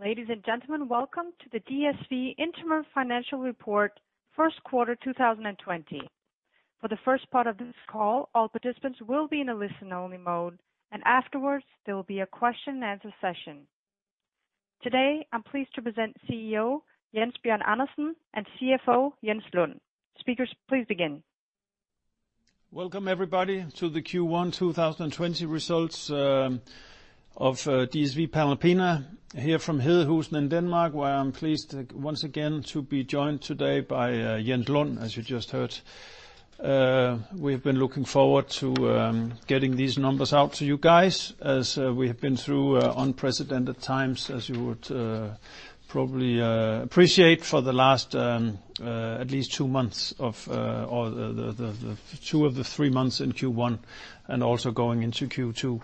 Ladies and gentlemen, welcome to the DSV Interim Financial Report first quarter 2020. For the first part of this call, all participants will be in a listen-only mode, and afterwards, there will be a question and answer session. Today, I'm pleased to present CEO, Jens Bjørn Andersen, and CFO, Jens Lund. Speakers, please begin. Welcome, everybody, to the Q1 2020 results of DSV Panalpina, here from Hedehusene in Denmark, where I'm pleased once again to be joined today by Jens Lund, as you just heard. We've been looking forward to getting these numbers out to you guys, as we have been through unprecedented times, as you would probably appreciate, for the last at least two of the three months in Q1 and also going into Q2.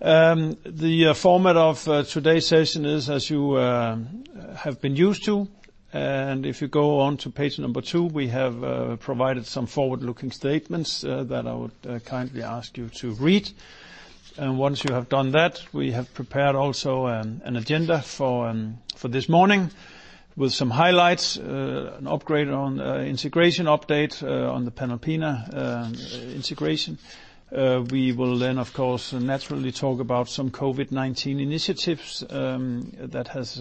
The format of today's session is as you have been used to, and if you go on to page number two, we have provided some forward-looking statements that I would kindly ask you to read. Once you have done that, we have prepared also an agenda for this morning with some highlights, an upgrade on integration update on the Panalpina integration. We will then, of course, naturally talk about some COVID-19 initiatives that has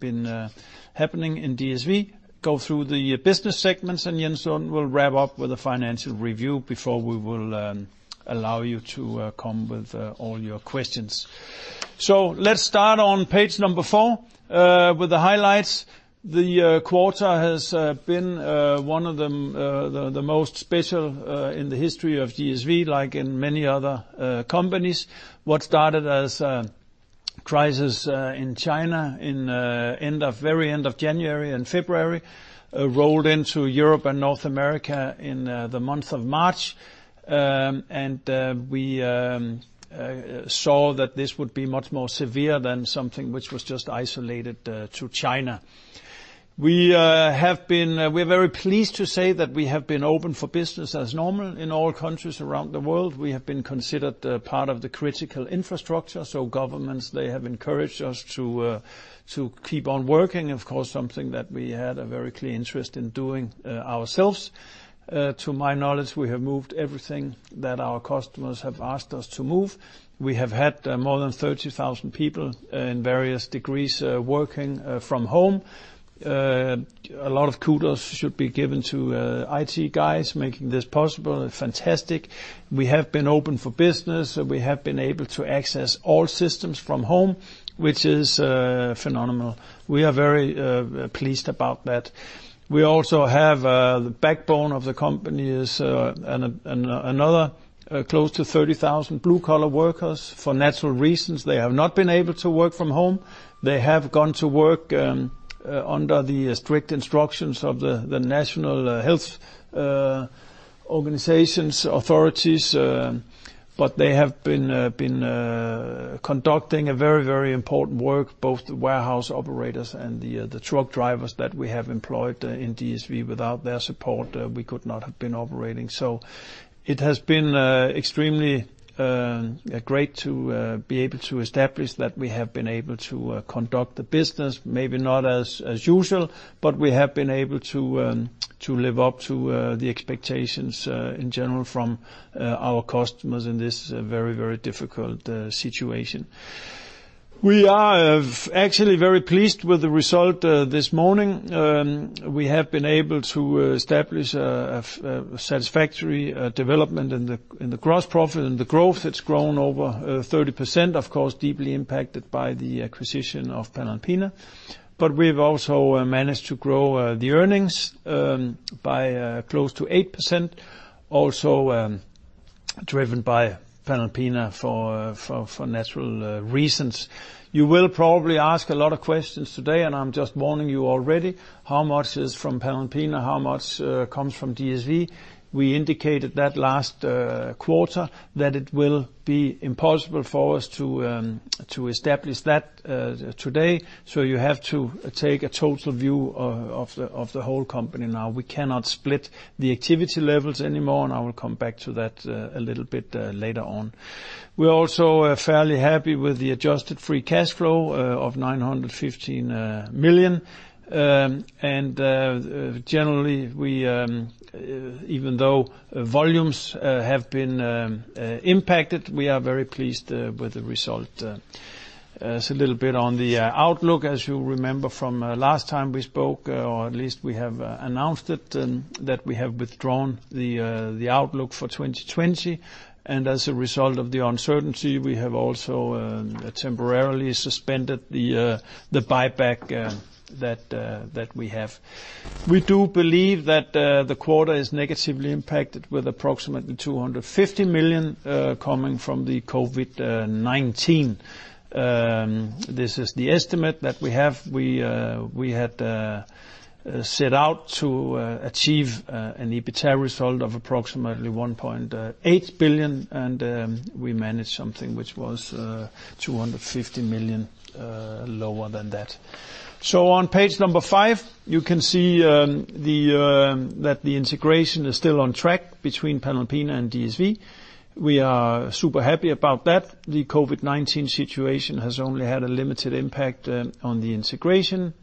been happening in DSV, go through the business segments, and Jens Lund will wrap up with a financial review before we will allow you to come with all your questions. Let's start on page number four with the highlights. The quarter has been one of the most special in the history of DSV, like in many other companies. What started as a crisis in China in very end of January and February, rolled into Europe and North America in the month of March, and we saw that this would be much more severe than something which was just isolated to China. We're very pleased to say that we have been open for business as normal in all countries around the world. We have been considered part of the critical infrastructure, so governments, they have encouraged us to keep on working. Of course, something that we had a very clear interest in doing ourselves. To my knowledge, we have moved everything that our customers have asked us to move. We have had more than 30,000 people in various degrees working from home. A lot of kudos should be given to IT guys making this possible. Fantastic. We have been open for business, so we have been able to access all systems from home, which is phenomenal. We are very pleased about that. The backbone of the company is another close to 30,000 blue-collar workers. For natural reasons, they have not been able to work from home. They have gone to work under the strict instructions of the national health organizations, authorities, but they have been conducting a very, very important work, both the warehouse operators and the truck drivers that we have employed in DSV. Without their support, we could not have been operating. It has been extremely great to be able to establish that we have been able to conduct the business, maybe not as usual, but we have been able to live up to the expectations in general from our customers in this very, very difficult situation. We are actually very pleased with the result this morning. We have been able to establish a satisfactory development in the gross profit and the growth. It's grown over 30%, of course, deeply impacted by the acquisition of Panalpina. We've also managed to grow the earnings by close to 8%, also driven by Panalpina for natural reasons. You will probably ask a lot of questions today, and I'm just warning you already, how much is from Panalpina, how much comes from DSV? We indicated that last quarter that it will be impossible for us to establish that today, so you have to take a total view of the whole company now. We cannot split the activity levels anymore, and I will come back to that a little bit later on. We're also fairly happy with the adjusted free cash flow of 915 million. Generally, even though volumes have been impacted, we are very pleased with the result. A little bit on the outlook. As you remember from last time we spoke, or at least we have announced it, that we have withdrawn the outlook for 2020. As a result of the uncertainty, we have also temporarily suspended the buyback that we have. We do believe that the quarter is negatively impacted with approximately 250 million coming from the COVID-19. This is the estimate that we have. We had set out to achieve an EBITDA result of approximately 1.8 billion, and we managed something which was 250 million lower than that. On page number five, you can see that the integration is still on track between Panalpina and DSV. We are super happy about that. The COVID-19 situation has only had a limited impact on the integration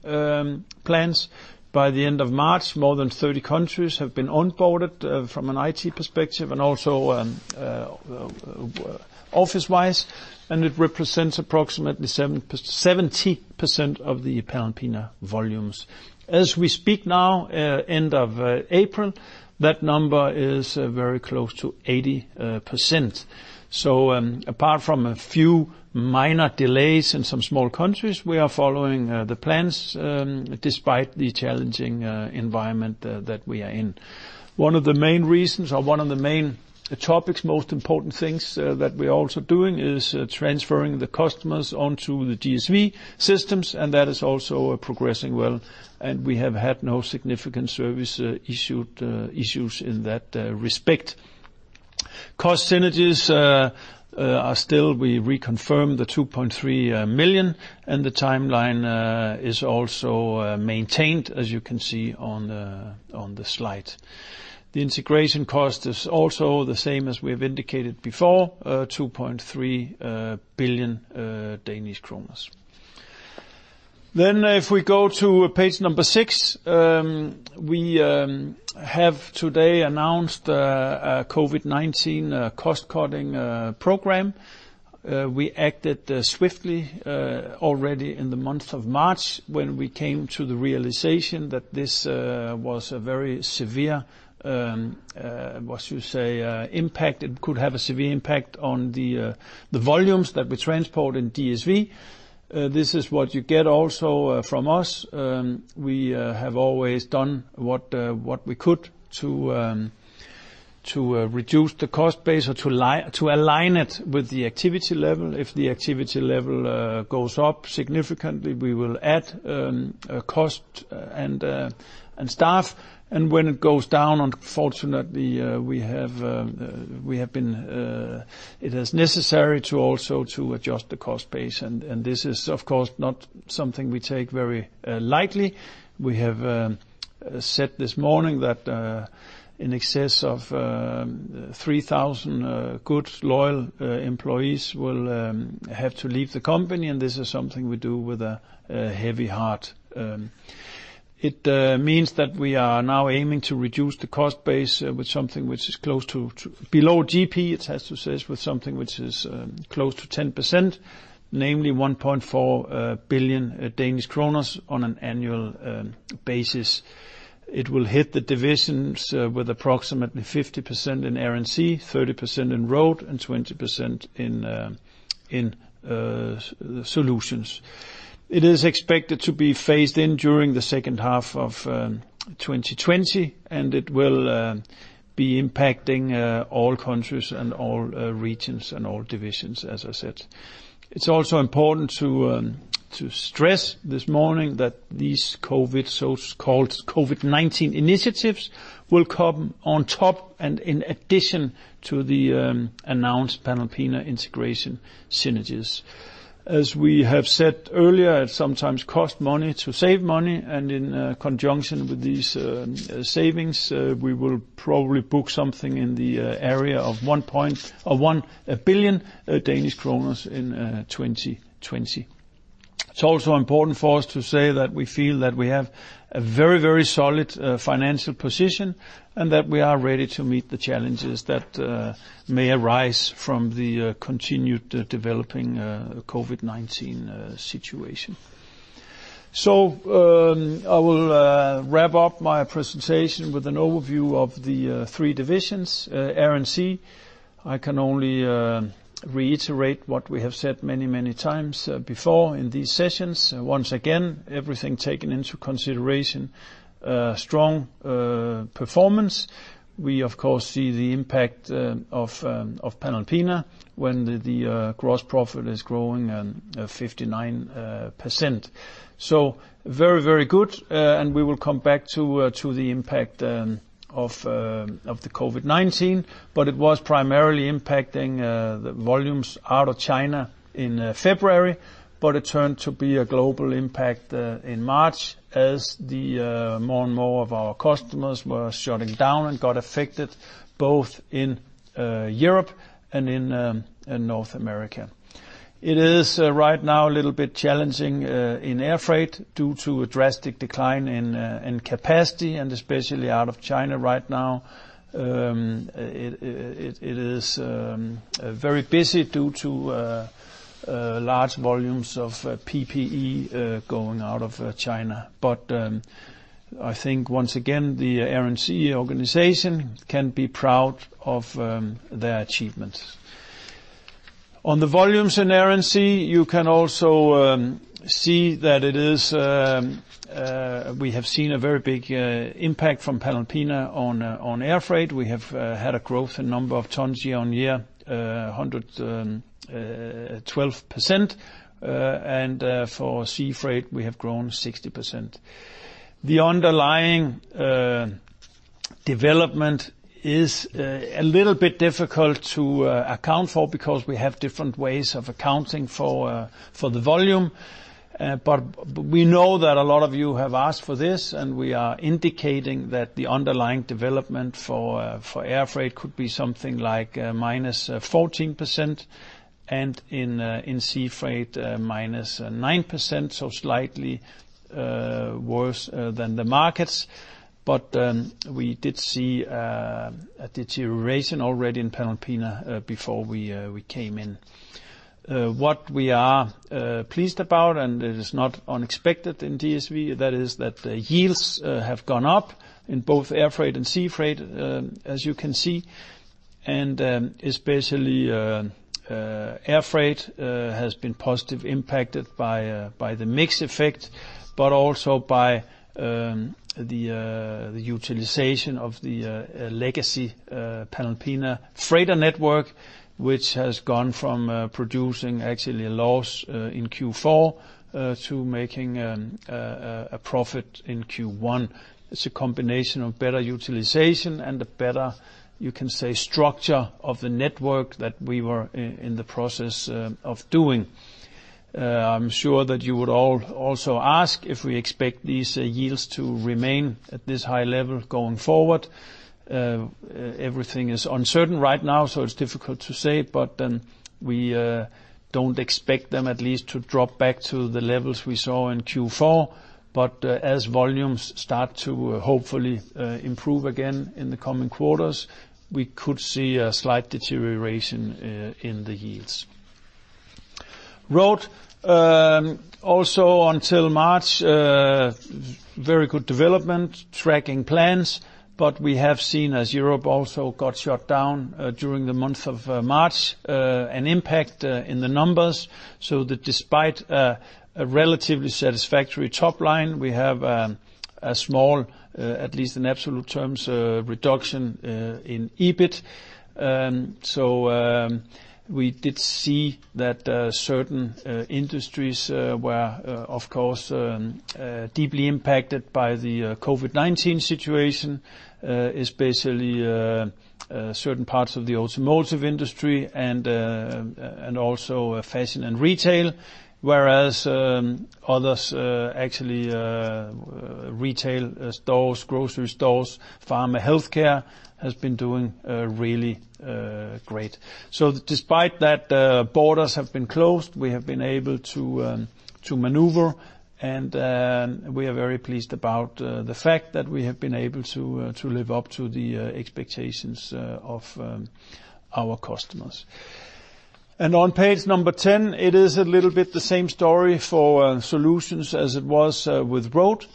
plans. By the end of March, more than 30 countries have been onboarded from an IT perspective and also office-wise, and it represents approximately 70% of the Panalpina volumes. As we speak now, end of April, that number is very close to 80%. Apart from a few minor delays in some small countries, we are following the plans despite the challenging environment that we are in. One of the main reasons or one of the main topics, most important things that we're also doing, is transferring the customers onto the DSV systems, and that is also progressing well. We have had no significant service issues in that respect. Cost synergies are still, we reconfirm the 2.3 billion, and the timeline is also maintained, as you can see on the slide. The integration cost is also the same as we have indicated before, 2.3 billion Danish kroner. If we go to page number six, we have today announced a COVID-19 cost-cutting program. We acted swiftly already in the month of March, when we came to the realization that this was a very severe, what you say, impact. It could have a severe impact on the volumes that we transport in DSV. This is what you get also from us. We have always done what we could to reduce the cost base or to align it with the activity level. If the activity level goes up significantly, we will add cost and staff. When it goes down, unfortunately, it is necessary to also adjust the cost base. This is, of course, not something we take very lightly. We have said this morning that in excess of 3,000 good, loyal employees will have to leave the company, and this is something we do with a heavy heart. It means that we are now aiming to reduce the cost base with something which is close to below GP, it has to say, with something which is close to 10%, namely 1.4 billion Danish kroner on an annual basis. It will hit the divisions with approximately 50% in Air & Sea, 30% in Road, and 20% in Solutions. It is expected to be phased in during the second half of 2020, and it will be impacting all countries and all regions and all divisions, as I said. It's also important to stress this morning that these so-called COVID-19 initiatives will come on top and in addition to the announced Panalpina integration synergies. As we have said earlier, it sometimes costs money to save money, and in conjunction with these savings, we will probably book something in the area of 1 billion Danish kroner in 2020. It's also important for us to say that we feel that we have a very solid financial position and that we are ready to meet the challenges that may arise from the continued developing COVID-19 situation. I will wrap up my presentation with an overview of the three divisions. Air & Sea, I can only reiterate what we have said many times before in these sessions. Once again, everything taken into consideration, strong performance. We, of course, see the impact of Panalpina when the gross profit is growing at 59%. Very good, and we will come back to the impact of the COVID-19. It was primarily impacting the volumes out of China in February, but it turned to be a global impact in March as more and more of our customers were shutting down and got affected, both in Europe and in North America. It is right now a little bit challenging in air freight due to a drastic decline in capacity and especially out of China right now. It is very busy due to large volumes of PPE going out of China. I think, once again, the Air & Sea organization can be proud of their achievements. On the volumes in Air & Sea, you can also see that we have seen a very big impact from Panalpina on air freight. We have had a growth in number of tons year-on-year, 112%. For sea freight, we have grown 60%. The underlying development is a little bit difficult to account for, because we have different ways of accounting for the volume. We know that a lot of you have asked for this, and we are indicating that the underlying development for air freight could be something like minus 14%, and in sea freight, minus 9%, so slightly worse than the markets. We did see a deterioration already in Panalpina before we came in. What we are pleased about, and it is not unexpected in DSV, that is that the yields have gone up in both air freight and sea freight, as you can see. Especially air freight has been positively impacted by the mix effect, but also by the utilization of the legacy Panalpina freighter network, which has gone from producing actually a loss in Q4 to making a profit in Q1. It's a combination of better utilization and a better, you can say, structure of the network that we were in the process of doing. I'm sure that you would all also ask if we expect these yields to remain at this high level going forward. Everything is uncertain right now, so it's difficult to say, but we don't expect them at least to drop back to the levels we saw in Q4. As volumes start to hopefully improve again in the coming quarters, we could see a slight deterioration in the yields. Road, also until March, very good development, tracking plans, but we have seen as Europe also got shut down during the month of March, an impact in the numbers. That despite a relatively satisfactory top line, we have a small, at least in absolute terms, reduction in EBIT. We did see that certain industries were, of course, deeply impacted by the COVID-19 situation, especially certain parts of the automotive industry and also fashion and retail. Whereas others, actually retail stores, grocery stores, pharma, healthcare, has been doing really great. Despite that borders have been closed, we have been able to maneuver and we are very pleased about the fact that we have been able to live up to the expectations of our customers. On page number 10, it is a little bit the same story for Solutions as it was with Road.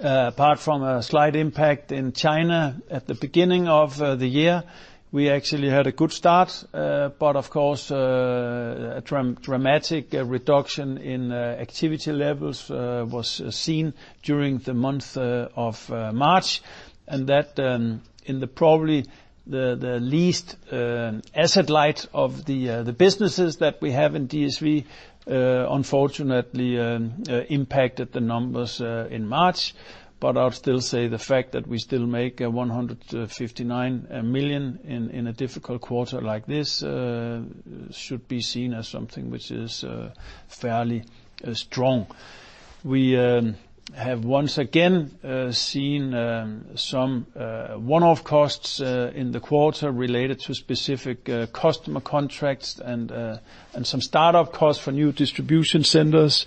Apart from a slight impact in China at the beginning of the year, we actually had a good start. Of course, a dramatic reduction in activity levels was seen during the month of March. That in the probably the least asset-light of the businesses that we have in DSV, unfortunately impacted the numbers in March. I would still say the fact that we still make 159 million in a difficult quarter like this should be seen as something which is fairly strong. We have once again seen some one-off costs in the quarter related to specific customer contracts and some start-up costs for new distribution centers.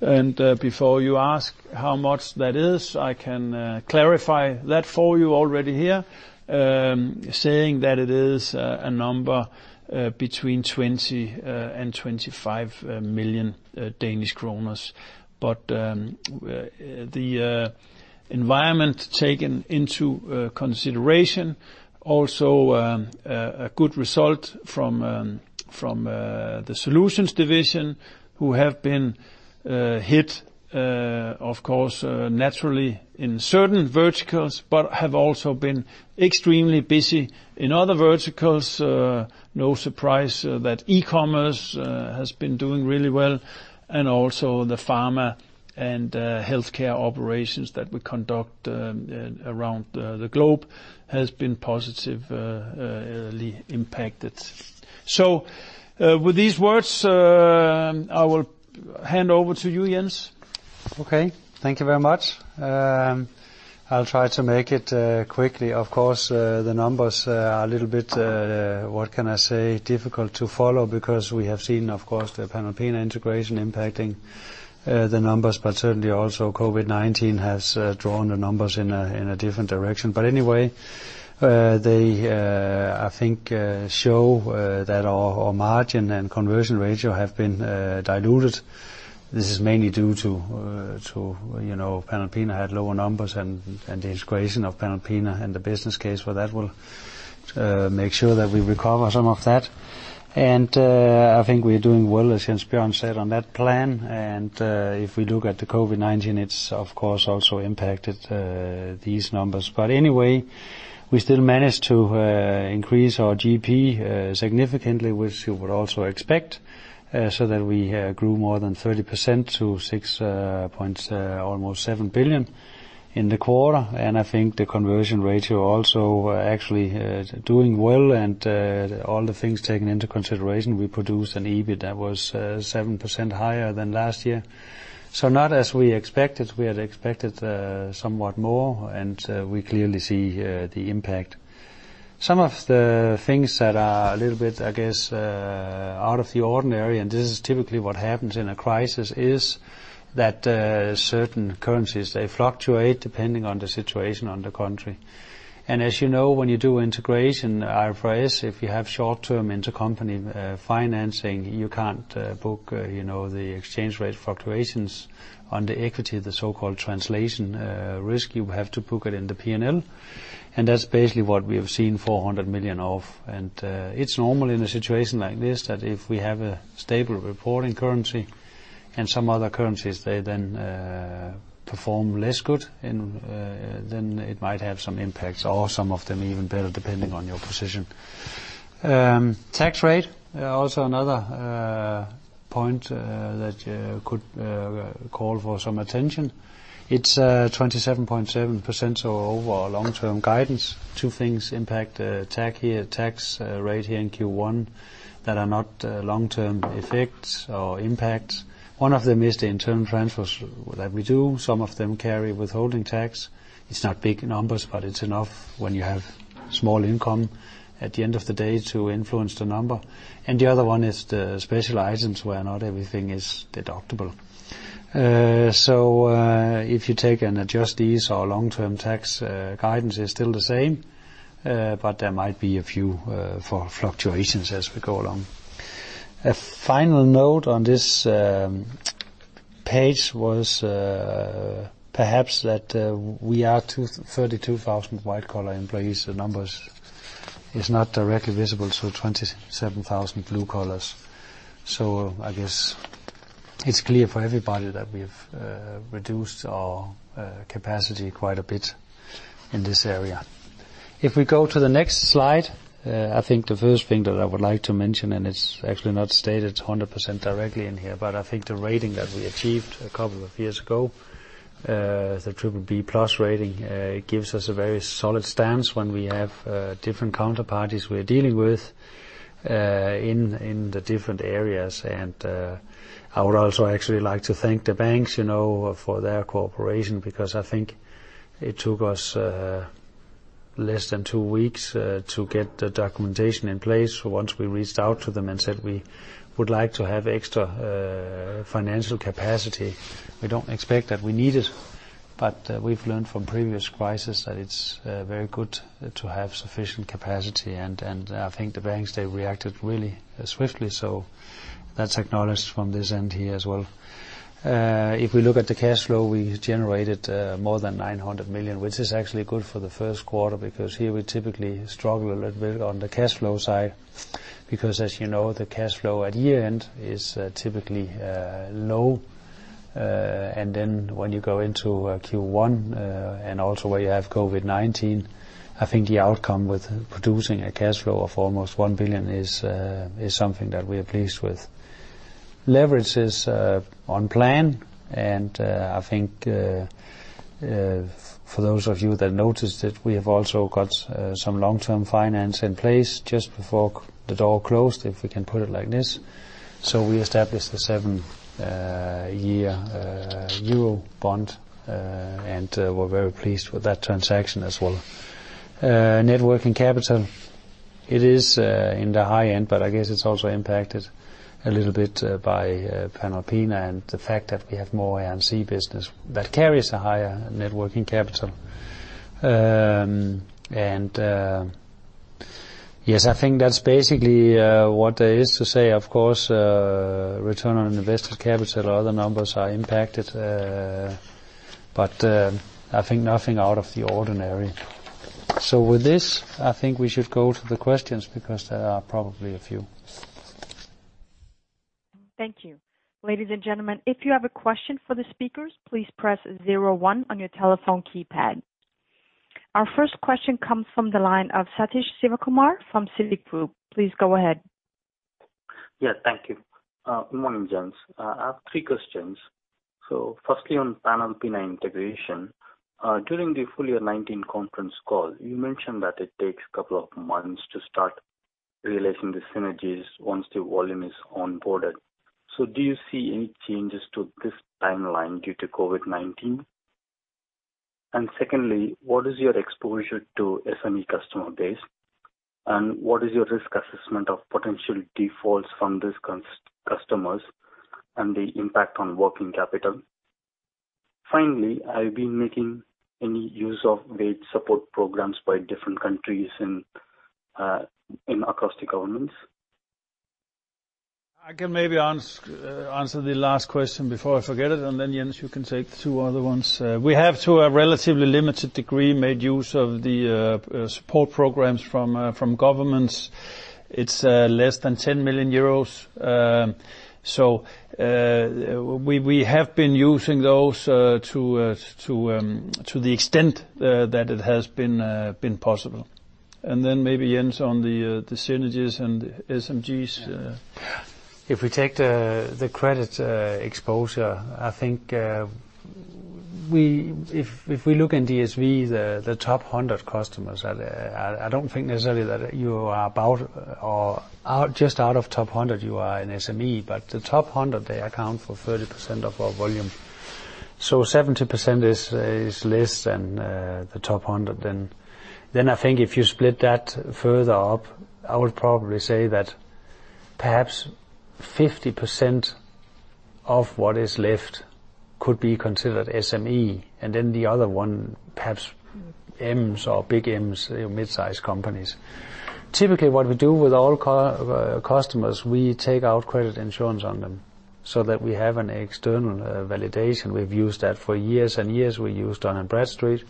Before you ask how much that is, I can clarify that for you already here, saying that it is a number between 20 million and 25 million Danish kroner. The environment taken into consideration, also a good result from the Solutions division, who have been hit, of course, naturally in certain verticals, but have also been extremely busy in other verticals. No surprise that e-commerce has been doing really well, and also the pharma and healthcare operations that we conduct around the globe has been positively impacted. With these words, I will hand over to you, Jens. Okay. Thank you very much. I'll try to make it quickly. Of course, the numbers are a little bit, what can I say, difficult to follow because we have seen, of course, the Panalpina integration impacting the numbers, but certainly also COVID-19 has drawn the numbers in a different direction. Anyway, they, I think, show that our margin and conversion ratio have been diluted. This is mainly due to Panalpina had lower numbers and the integration of Panalpina and the business case for that will make sure that we recover some of that. I think we're doing well, as Jens Bjørn said, on that plan. If we look at the COVID-19, it's of course also impacted these numbers. Anyway, we still managed to increase our GP significantly, which you would also expect, so that we grew more than 30% to 6.7 billion in the quarter. I think the conversion ratio also actually doing well and all the things taken into consideration, we produced an EBIT that was 7% higher than last year. Not as we expected. We had expected somewhat more, and we clearly see the impact. Some of the things that are a little bit, I guess, out of the ordinary, and this is typically what happens in a crisis, is that certain currencies, they fluctuate depending on the situation on the country. As you know, when you do integration, IFRS, if you have short-term intercompany financing, you can't book the exchange rate fluctuations on the equity, the so-called translation risk. You have to book it in the P&L. That's basically what we have seen 400 million of. It's normal in a situation like this that if we have a stable reporting currency and some other currencies, they then perform less good, and then it might have some impacts, or some of them even better depending on your position. Tax rate, also another point that could call for some attention. It's 27.7% over our long-term guidance. Two things impact tax rate here in Q1 that are not long-term effects or impacts. One of them is the internal transfers that we do. Some of them carry withholding tax. It's not big numbers, but it's enough when you have small income at the end of the day to influence the number. The other one is the special items where not everything is deductible. If you take and adjust these, our long-term tax guidance is still the same, but there might be a few fluctuations as we go along. A final note on this page was perhaps that we are 32,000 white collar employees. The numbers is not directly visible to 27,000 blue collars. I guess it's clear for everybody that we've reduced our capacity quite a bit in this area. If we go to the next slide, I think the first thing that I would like to mention, and it's actually not stated 100% directly in here, but I think the rating that we achieved a couple of years ago, the triple B+ rating, it gives us a very solid stance when we have different counterparties we're dealing with in the different areas. I would also actually like to thank the banks for their cooperation, because I think it took us less than 2 weeks to get the documentation in place. Once we reached out to them and said we would like to have extra financial capacity, we don't expect that we need it, but we've learned from previous crisis that it's very good to have sufficient capacity, and I think the banks, they reacted really swiftly. That's acknowledged from this end here as well. If we look at the cash flow, we generated more than 900 million, which is actually good for the first quarter because here we typically struggle a little bit on the cash flow side because as you know, the cash flow at year-end is typically low. When you go into Q1, and also where you have COVID-19, I think the outcome with producing a cash flow of almost 1 billion is something that we are pleased with. Leverage is on plan, and I think for those of you that noticed it, we have also got some long-term finance in place just before the door closed, if we can put it like this. We established the seven-year Euro bond, and we're very pleased with that transaction as well. Net working capital, it is in the high end, but I guess it's also impacted a little bit by Panalpina and the fact that we have more Air &Sea business that carries a higher net working capital. Yes, I think that's basically what there is to say. Of course, return on invested capital or other numbers are impacted, but I think nothing out of the ordinary. With this, I think we should go to the questions because there are probably a few. Thank you. Ladies and gentlemen, if you have a question for the speakers, please press zero one on your telephone keypad. Our first question comes from the line of Sathish Sivakumar from Citigroup. Please go ahead. Yeah, thank you. Good morning, gents. I have three questions. Firstly, on Panalpina integration. During the full year 2019 conference call, you mentioned that it takes a couple of months to start realizing the synergies once the volume is onboarded. Do you see any changes to this timeline due to COVID-19? Secondly, what is your exposure to SME customer base, and what is your risk assessment of potential defaults from these customers and the impact on working capital? Finally, are you making any use of rate support programs by different countries in across the governments? I can maybe answer the last question before I forget it. Then, Jens, you can take two other ones. We have to, a relatively limited degree, made use of the support programs from governments. It's less than 10 million euros. We have been using those to the extent that it has been possible. Maybe, Jens, on the synergies and SMEs. If we take the credit exposure, I think if we look in DSV, the top 100 customers, I don't think necessarily that you are about or just out of top 100 you are an SME, but the top 100, they account for 30% of our volume. 70% is less than the top 100. I think if you split that further up, I would probably say that perhaps 50% of what is left could be considered SME, and then the other one, perhaps Ms or big Ms, mid-size companies. Typically, what we do with all customers, we take out credit insurance on them so that we have an external validation. We've used that for years and years. We used Dun & Bradstreet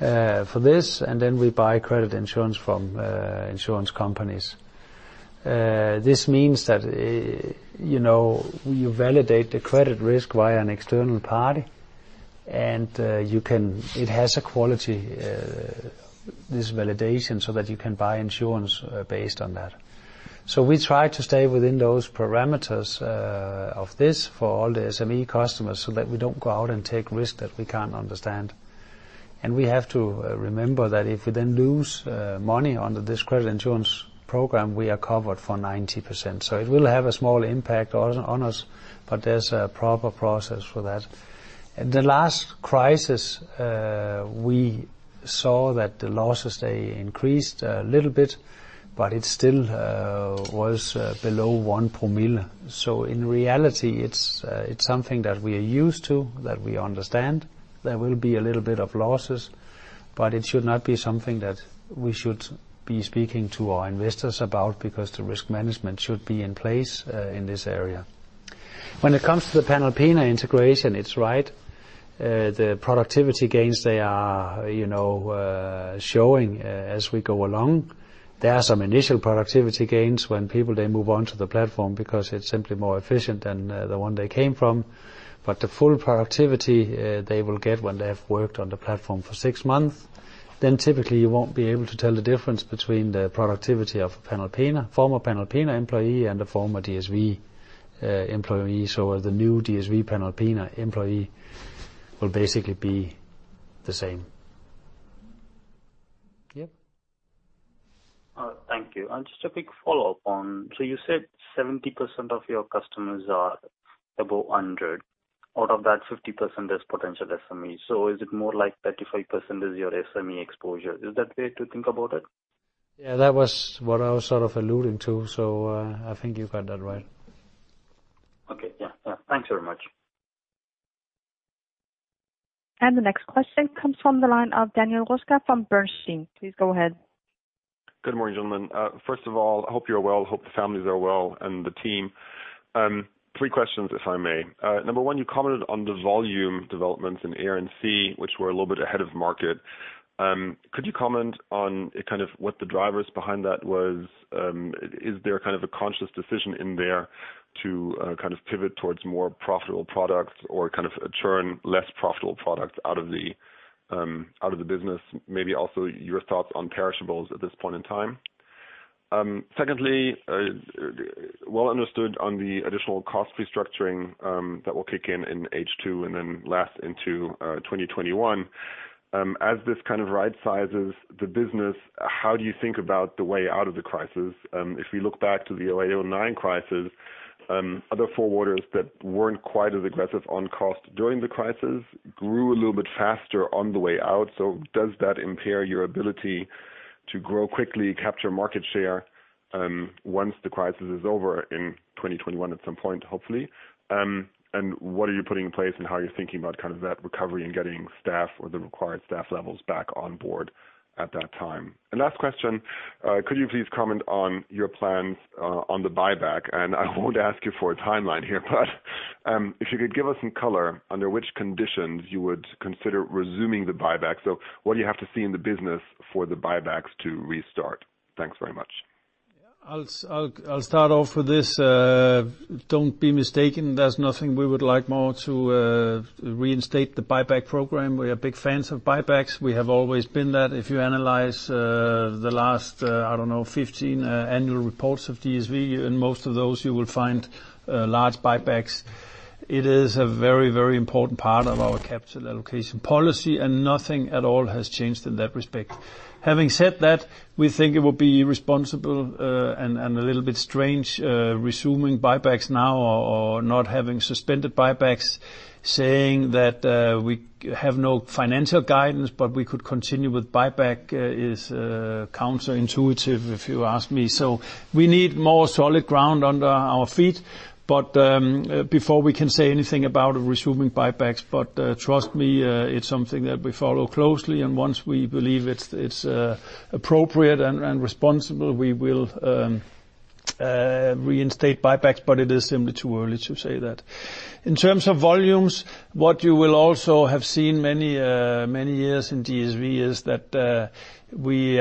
for this, and then we buy credit insurance from insurance companies. This means that you validate the credit risk by an external party. It has a quality, this validation, so that you can buy insurance based on that. We try to stay within those parameters of this for all the SME customers so that we don't go out and take risks that we can't understand. We have to remember that if we then lose money under this credit insurance program, we are covered for 90%. It will have a small impact on us, but there's a proper process for that. The last crisis, we saw that the losses, they increased a little bit, but it still was below one per mille. In reality, it's something that we are used to, that we understand. There will be a little bit of losses, but it should not be something that we should be speaking to our investors about because the risk management should be in place in this area. When it comes to the Panalpina integration, it's right. The productivity gains, they are showing as we go along. There are some initial productivity gains when people, they move on to the platform because it's simply more efficient than the one they came from. The full productivity, they will get when they have worked on the platform for six months. Typically, you won't be able to tell the difference between the productivity of a former Panalpina employee and a former DSV employee. The new DSV Panalpina employee will basically be the same. Yep. Thank you. Just a quick follow-up on, you said 70% of your customers are above 100. Out of that, 50% is potential SME. Is it more like 35% is your SME exposure? Is that the way to think about it? Yeah, that was what I was alluding to, so I think you've got that right. Okay. Yeah. Thanks very much. The next question comes from the line of Daniel Röska from Bernstein. Please go ahead. Good morning, gentlemen. First of all, I hope you're well. Hope the families are well and the team. Three questions, if I may. Number one, you commented on the volume developments in Air & Sea, which were a little bit ahead of market. Could you comment on what the drivers behind that was? Is there a conscious decision in there to pivot towards more profitable products or churn less profitable products out of the business? Maybe also your thoughts on perishables at this point in time. Secondly, well understood on the additional cost restructuring that will kick in in H2 and then last into 2021. As this right-sizes the business, how do you think about the way out of the crisis? If we look back to the 2008, 2009 crisis, other forwarders that weren't quite as aggressive on cost during the crisis grew a little bit faster on the way out. Does that impair your ability to grow quickly, capture market share, once the crisis is over in 2021 at some point, hopefully? What are you putting in place and how are you thinking about that recovery and getting staff or the required staff levels back on board at that time? Last question, could you please comment on your plans on the buyback? I won't ask you for a timeline here, but if you could give us some color, under which conditions you would consider resuming the buyback. What do you have to see in the business for the buybacks to restart? Thanks very much. I'll start off with this. Don't be mistaken, there's nothing we would like more to reinstate the buyback program. We are big fans of buybacks. We have always been that. If you analyze the last, I don't know, 15 annual reports of DSV, in most of those you will find large buybacks. It is a very, very important part of our capital allocation policy, and nothing at all has changed in that respect. Having said that, we think it would be irresponsible and a little bit strange resuming buybacks now or not having suspended buybacks, saying that we have no financial guidance, but we could continue with buyback is counterintuitive, if you ask me. We need more solid ground under our feet. Before we can say anything about resuming buybacks. Trust me, it's something that we follow closely, and once we believe it's appropriate and responsible, we will reinstate buybacks, but it is simply too early to say that. In terms of volumes, what you will also have seen many years in DSV is that we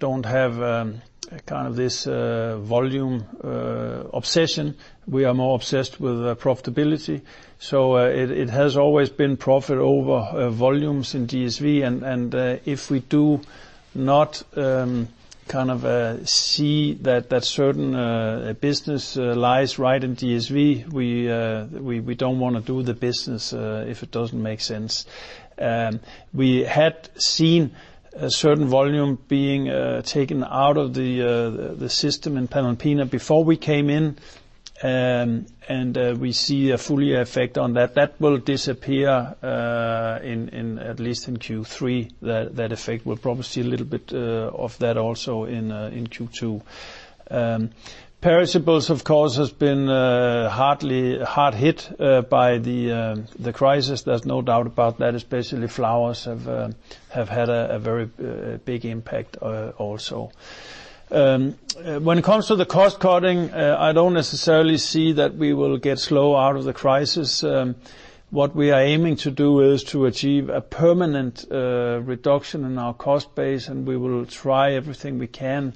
don't have this volume obsession. We are more obsessed with profitability. It has always been profit over volumes in DSV, and if we do not see that that certain business lies right in DSV, we don't want to do the business if it doesn't make sense. We had seen a certain volume being taken out of the system in Panalpina before we came in, and we see a full-year effect on that. That will disappear at least in Q3, that effect. We'll probably see a little bit of that also in Q2. Perishables, of course, has been hard hit by the crisis. There's no doubt about that, especially flowers have had a very big impact also. When it comes to the cost-cutting, I don't necessarily see that we will get slow out of the crisis. What we are aiming to do is to achieve a permanent reduction in our cost base, and we will try everything we can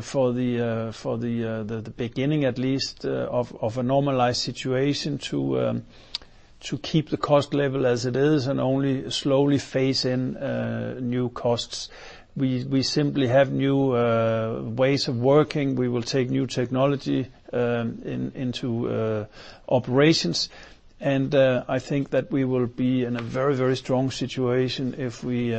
for the beginning, at least, of a normalized situation, to keep the cost level as it is and only slowly phase in new costs. We simply have new ways of working. We will take new technology into operations, and I think that we will be in a very, very strong situation if we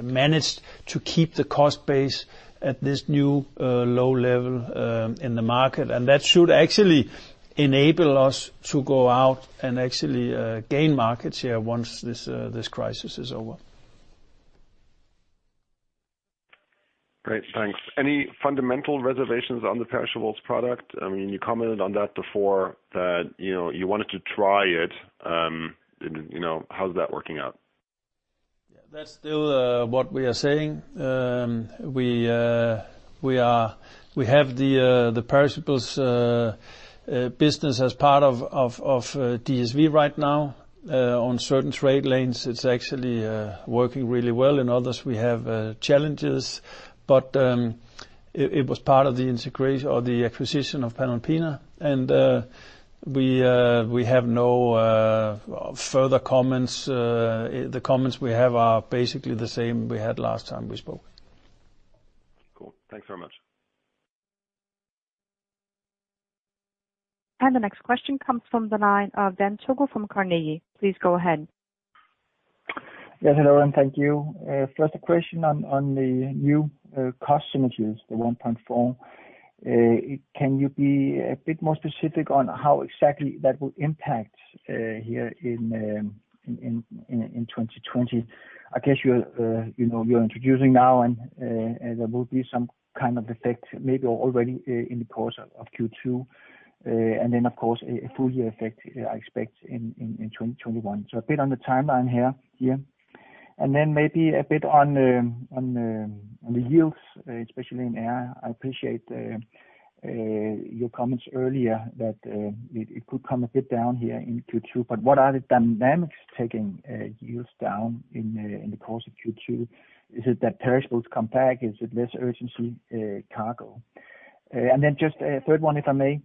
manage to keep the cost base at this new low level in the market. That should actually enable us to go out and actually gain market share once this crisis is over. Great. Thanks. Any fundamental reservations on the perishables product? You commented on that before, that you wanted to try it. How's that working out? Yeah. That's still what we are saying. We have the perishables business as part of DSV right now. On certain trade lanes, it's actually working really well. In others, we have challenges. It was part of the acquisition of Panalpina, and we have no further comments. The comments we have are basically the same we had last time we spoke. Cool. Thanks very much. The next question comes from the line of Dan Togo from Carnegie. Please go ahead. Yes, hello and thank you. First question on the new cost synergies, the 1.4. Can you be a bit more specific on how exactly that will impact here in 2020? I guess you're introducing now and there will be some kind of effect maybe already in the course of Q2, and then, of course, a full-year effect, I expect, in 2021. A bit on the timeline here. Maybe a bit on the yields, especially in Air & Sea. I appreciate your comments earlier that it could come a bit down here in Q2, but what are the dynamics taking yields down in the course of Q2? Is it that perishables come back? Is it less urgency cargo? Just a third one, if I may.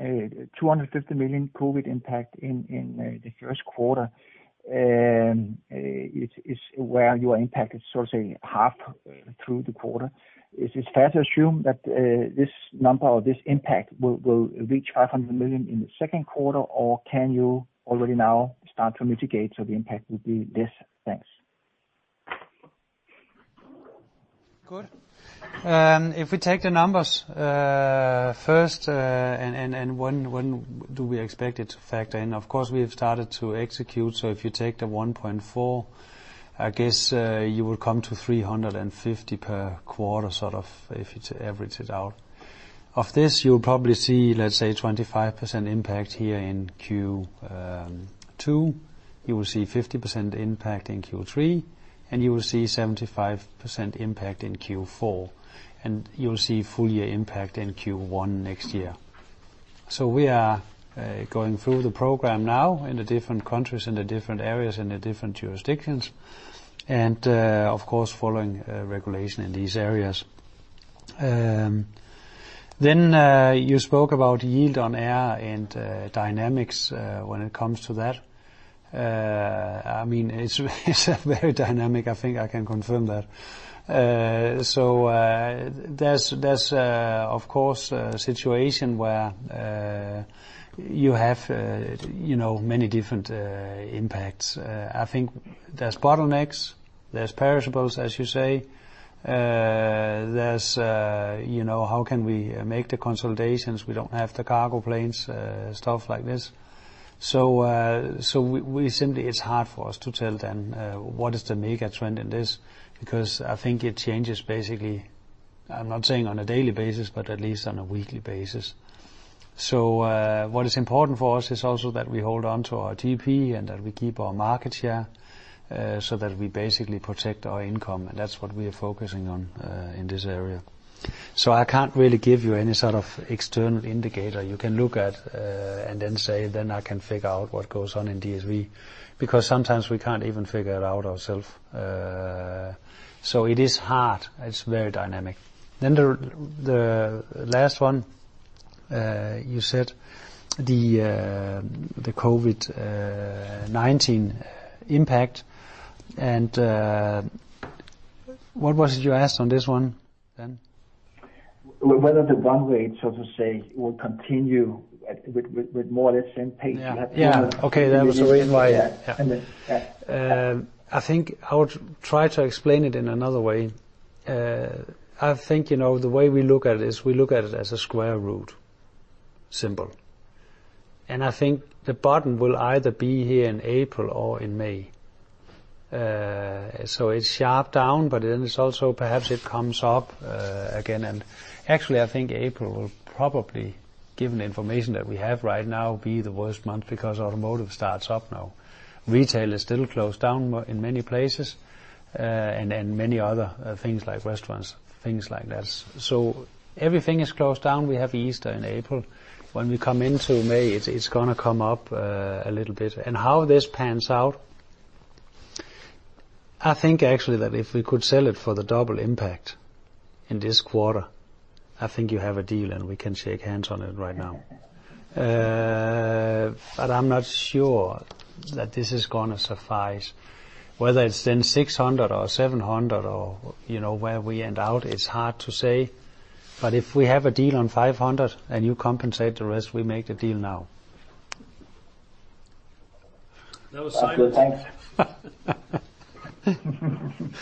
250 million COVID-19 impact in the first quarter is where you are impacted, so say half through the quarter. Is it fair to assume that this number or this impact will reach 500 million in the second quarter, or can you already now start to mitigate so the impact will be less? Thanks. Good. If we take the numbers first, when do we expect it to factor in? Of course, we have started to execute. If you take the 1.4, I guess you will come to 350 per quarter, sort of, if you average it out. Of this, you'll probably see, let's say, 25% impact here in Q2, you will see 50% impact in Q3, and you will see 75% impact in Q4. You'll see full-year impact in Q1 next year. We are going through the program now in the different countries, in the different areas, in the different jurisdictions. Of course, following regulation in these areas. You spoke about yield on Air and dynamics when it comes to that. It's very dynamic. I think I can confirm that. There's, of course, a situation where you have many different impacts. I think there's bottlenecks, there's perishables, as you say, there's how can we make the consolidations? We don't have the cargo planes, stuff like this. Simply, it's hard for us to tell then what is the mega trend in this, because I think it changes basically, I'm not saying on a daily basis, but at least on a weekly basis. What is important for us is also that we hold onto our GP and that we keep our market share, so that we basically protect our income, and that's what we are focusing on in this area. I can't really give you any sort of external indicator you can look at and then say, "Then I can figure out what goes on in DSV," because sometimes we can't even figure it out ourself. It is hard. It's very dynamic. The last one, you said the COVID-19 impact and what was it you asked on this one then? Whether the run rate, so to say, will continue with more or less same pace you have Yeah. Okay. That was the reason why. Yeah. I think I would try to explain it in another way. I think the way we look at it is we look at it as a square root symbol, and I think the button will either be here in April or in May. It's sharp down, but then it's also perhaps it comes up again, and actually, I think April will probably, given the information that we have right now, be the worst month because automotive starts up now. retail is still closed down in many places, and then many other things like restaurants, things like that. Everything is closed down. We have Easter in April. When we come into May, it's going to come up a little bit. How this pans out, I think actually that if we could sell it for the double impact in this quarter, I think you have a deal and we can shake hands on it right now. I'm not sure that this is going to suffice. Whether it's then 600 or 700 or where we end out, it's hard to say. If we have a deal on 500 and you compensate the rest, we make the deal now. That was[Simon]. Thanks.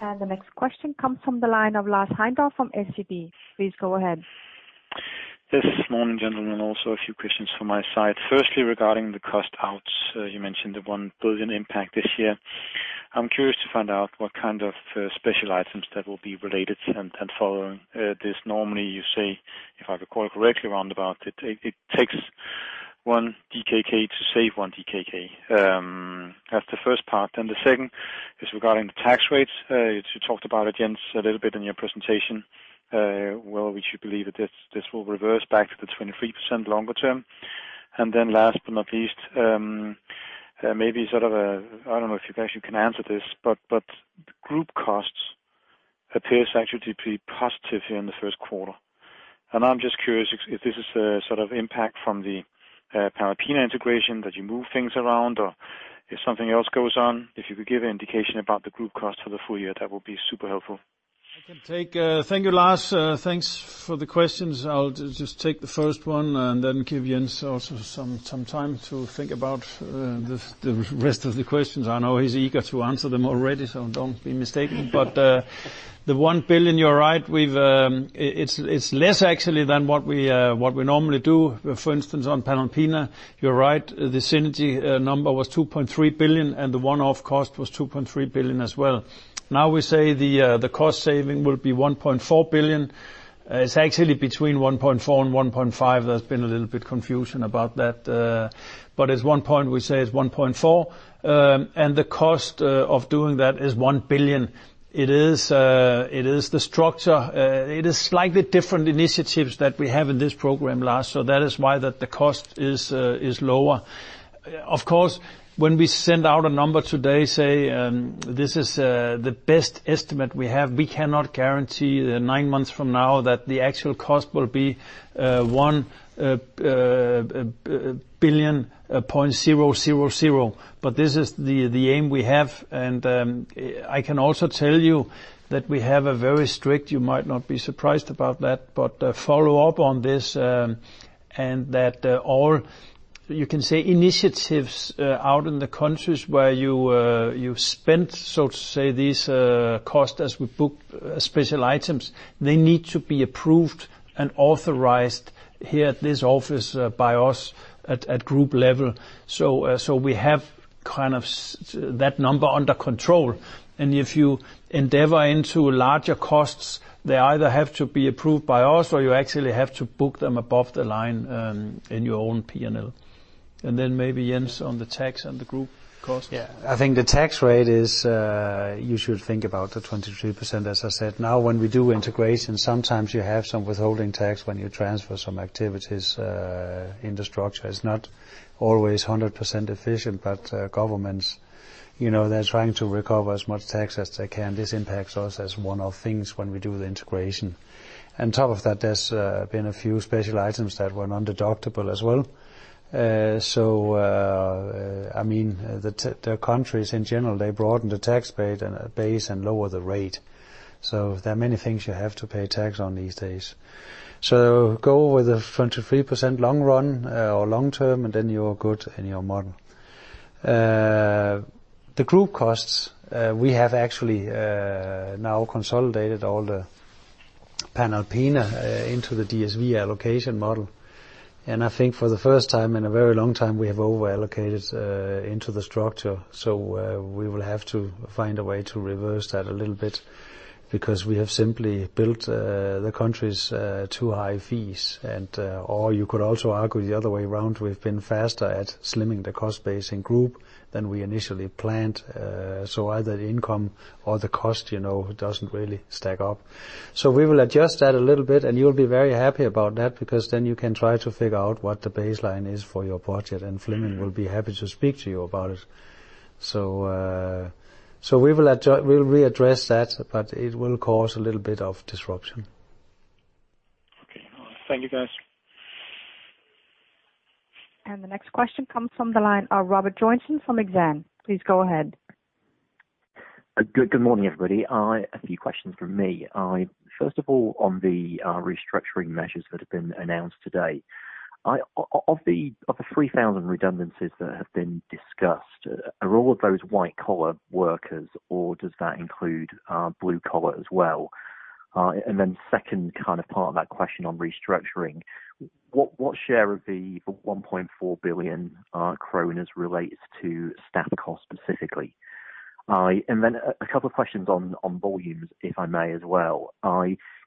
The next question comes from the line of Lars Heimdal from SEB. Please go ahead. Yes. Morning, gentlemen. Also a few questions from my side. Firstly, regarding the cost outs, you mentioned the 1 billion impact this year. I'm curious to find out what kind of special items that will be related and following this. Normally, you say, if I recall correctly, roundabout it takes one DKK to save one DKK. That's the first part. The second is regarding the tax rates. You talked about it, Jens, a little bit in your presentation, where we should believe that this will reverse back to the 23% longer term. Last but not least, maybe sort of a I don't know if you guys can answer this, but group costs appears actually to be positive here in the first quarter. I'm just curious if this is a sort of impact from the Panalpina integration, that you move things around, or if something else goes on. If you could give indication about the group cost for the full year, that would be super helpful. I can take. Thank you, Lars. Thanks for the questions. I will just take the first one and then give Jens also some time to think about the rest of the questions. I know he is eager to answer them already, don't be mistaken. The 1 billion, you are right. It is less actually than what we normally do. For instance, on Panalpina, you are right, the synergy number was 2.3 billion, and the one-off cost was 2.3 billion as well. Now we say the cost saving will be 1.4 billion. It is actually between 1.4 and 1.5. There has been a little bit confusion about that. At one point, we say it is 1.4, and the cost of doing that is 1 billion. It is the structure. It is slightly different initiatives that we have in this program, Lars, so that is why that the cost is lower. Of course, when we send out a number today, say, this is the best estimate we have. We cannot guarantee nine months from now that the actual cost will be 1 billion point zero zero zero. This is the aim we have, and I can also tell you that we have a very strict, you might not be surprised about that, but follow-up on this, and that all, you can say, initiatives out in the countries where you've spent, so to say, these costs as we book special items, they need to be approved and authorized here at this office by us at group level. We have kind of that number under control, and if you endeavor into larger costs, they either have to be approved by us, or you actually have to book them above the line in your own P&L. Maybe Jens on the tax and the group cost. I think the tax rate is, you should think about the 23%, as I said. When we do integration, sometimes you have some withholding tax when you transfer some activities in the structure. It's not always 100% efficient, governments, they're trying to recover as much tax as they can. This impacts us as one of the things when we do the integration. On top of that, there's been a few special items that were non-deductible as well. The countries in general, they broaden the tax base and lower the rate. There are many things you have to pay tax on these days. Go with the 23% long run or long term, you're good in your model. The group costs, we have actually now consolidated all the Panalpina into the DSV allocation model. I think for the first time in a very long time, we have over-allocated into the structure. We will have to find a way to reverse that a little bit, because we have simply built the countries too-high fees. You could also argue the other way around. We've been faster at slimming the cost base in group than we initially planned. Either the income or the cost doesn't really stack up. We will adjust that a little bit, and you'll be very happy about that, because then you can try to figure out what the baseline is for your budget. Flemming will be happy to speak to you about it. We'll readdress that, but it will cause a little bit of disruption. Okay. Thank you, guys. The next question comes from the line of Robert Joynson from Exane. Please go ahead. Good morning, everybody. A few questions from me. On the restructuring measures that have been announced today. Of the 3,000 redundancies that have been discussed, are all of those white-collar workers, or does that include blue-collar as well? Second part of that question on restructuring, what share of the 1.4 billion kroner relates to staff cost specifically? A couple of questions on volumes, if I may, as well.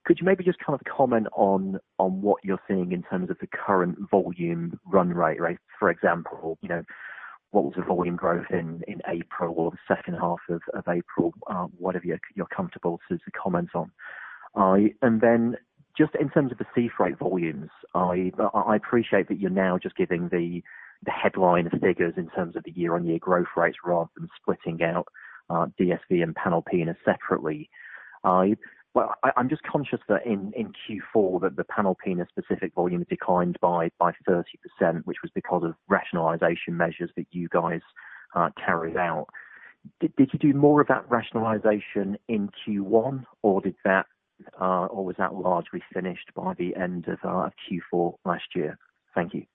Could you maybe just comment on what you're seeing in terms of the current volume run rate? For example, what was the volume growth in April or the second half of April? Whatever you're comfortable to comment on. Just in terms of the sea freight volumes, I appreciate that you're now just giving the headline figures in terms of the year-on-year growth rates, rather than splitting out DSV and Panalpina separately. I'm just conscious that in Q4, that the Panalpina specific volumes declined by 30%, which was because of rationalization measures that you guys carried out. Did you do more of that rationalization in Q1, or was that largely finished by the end of Q4 last year? Thank you.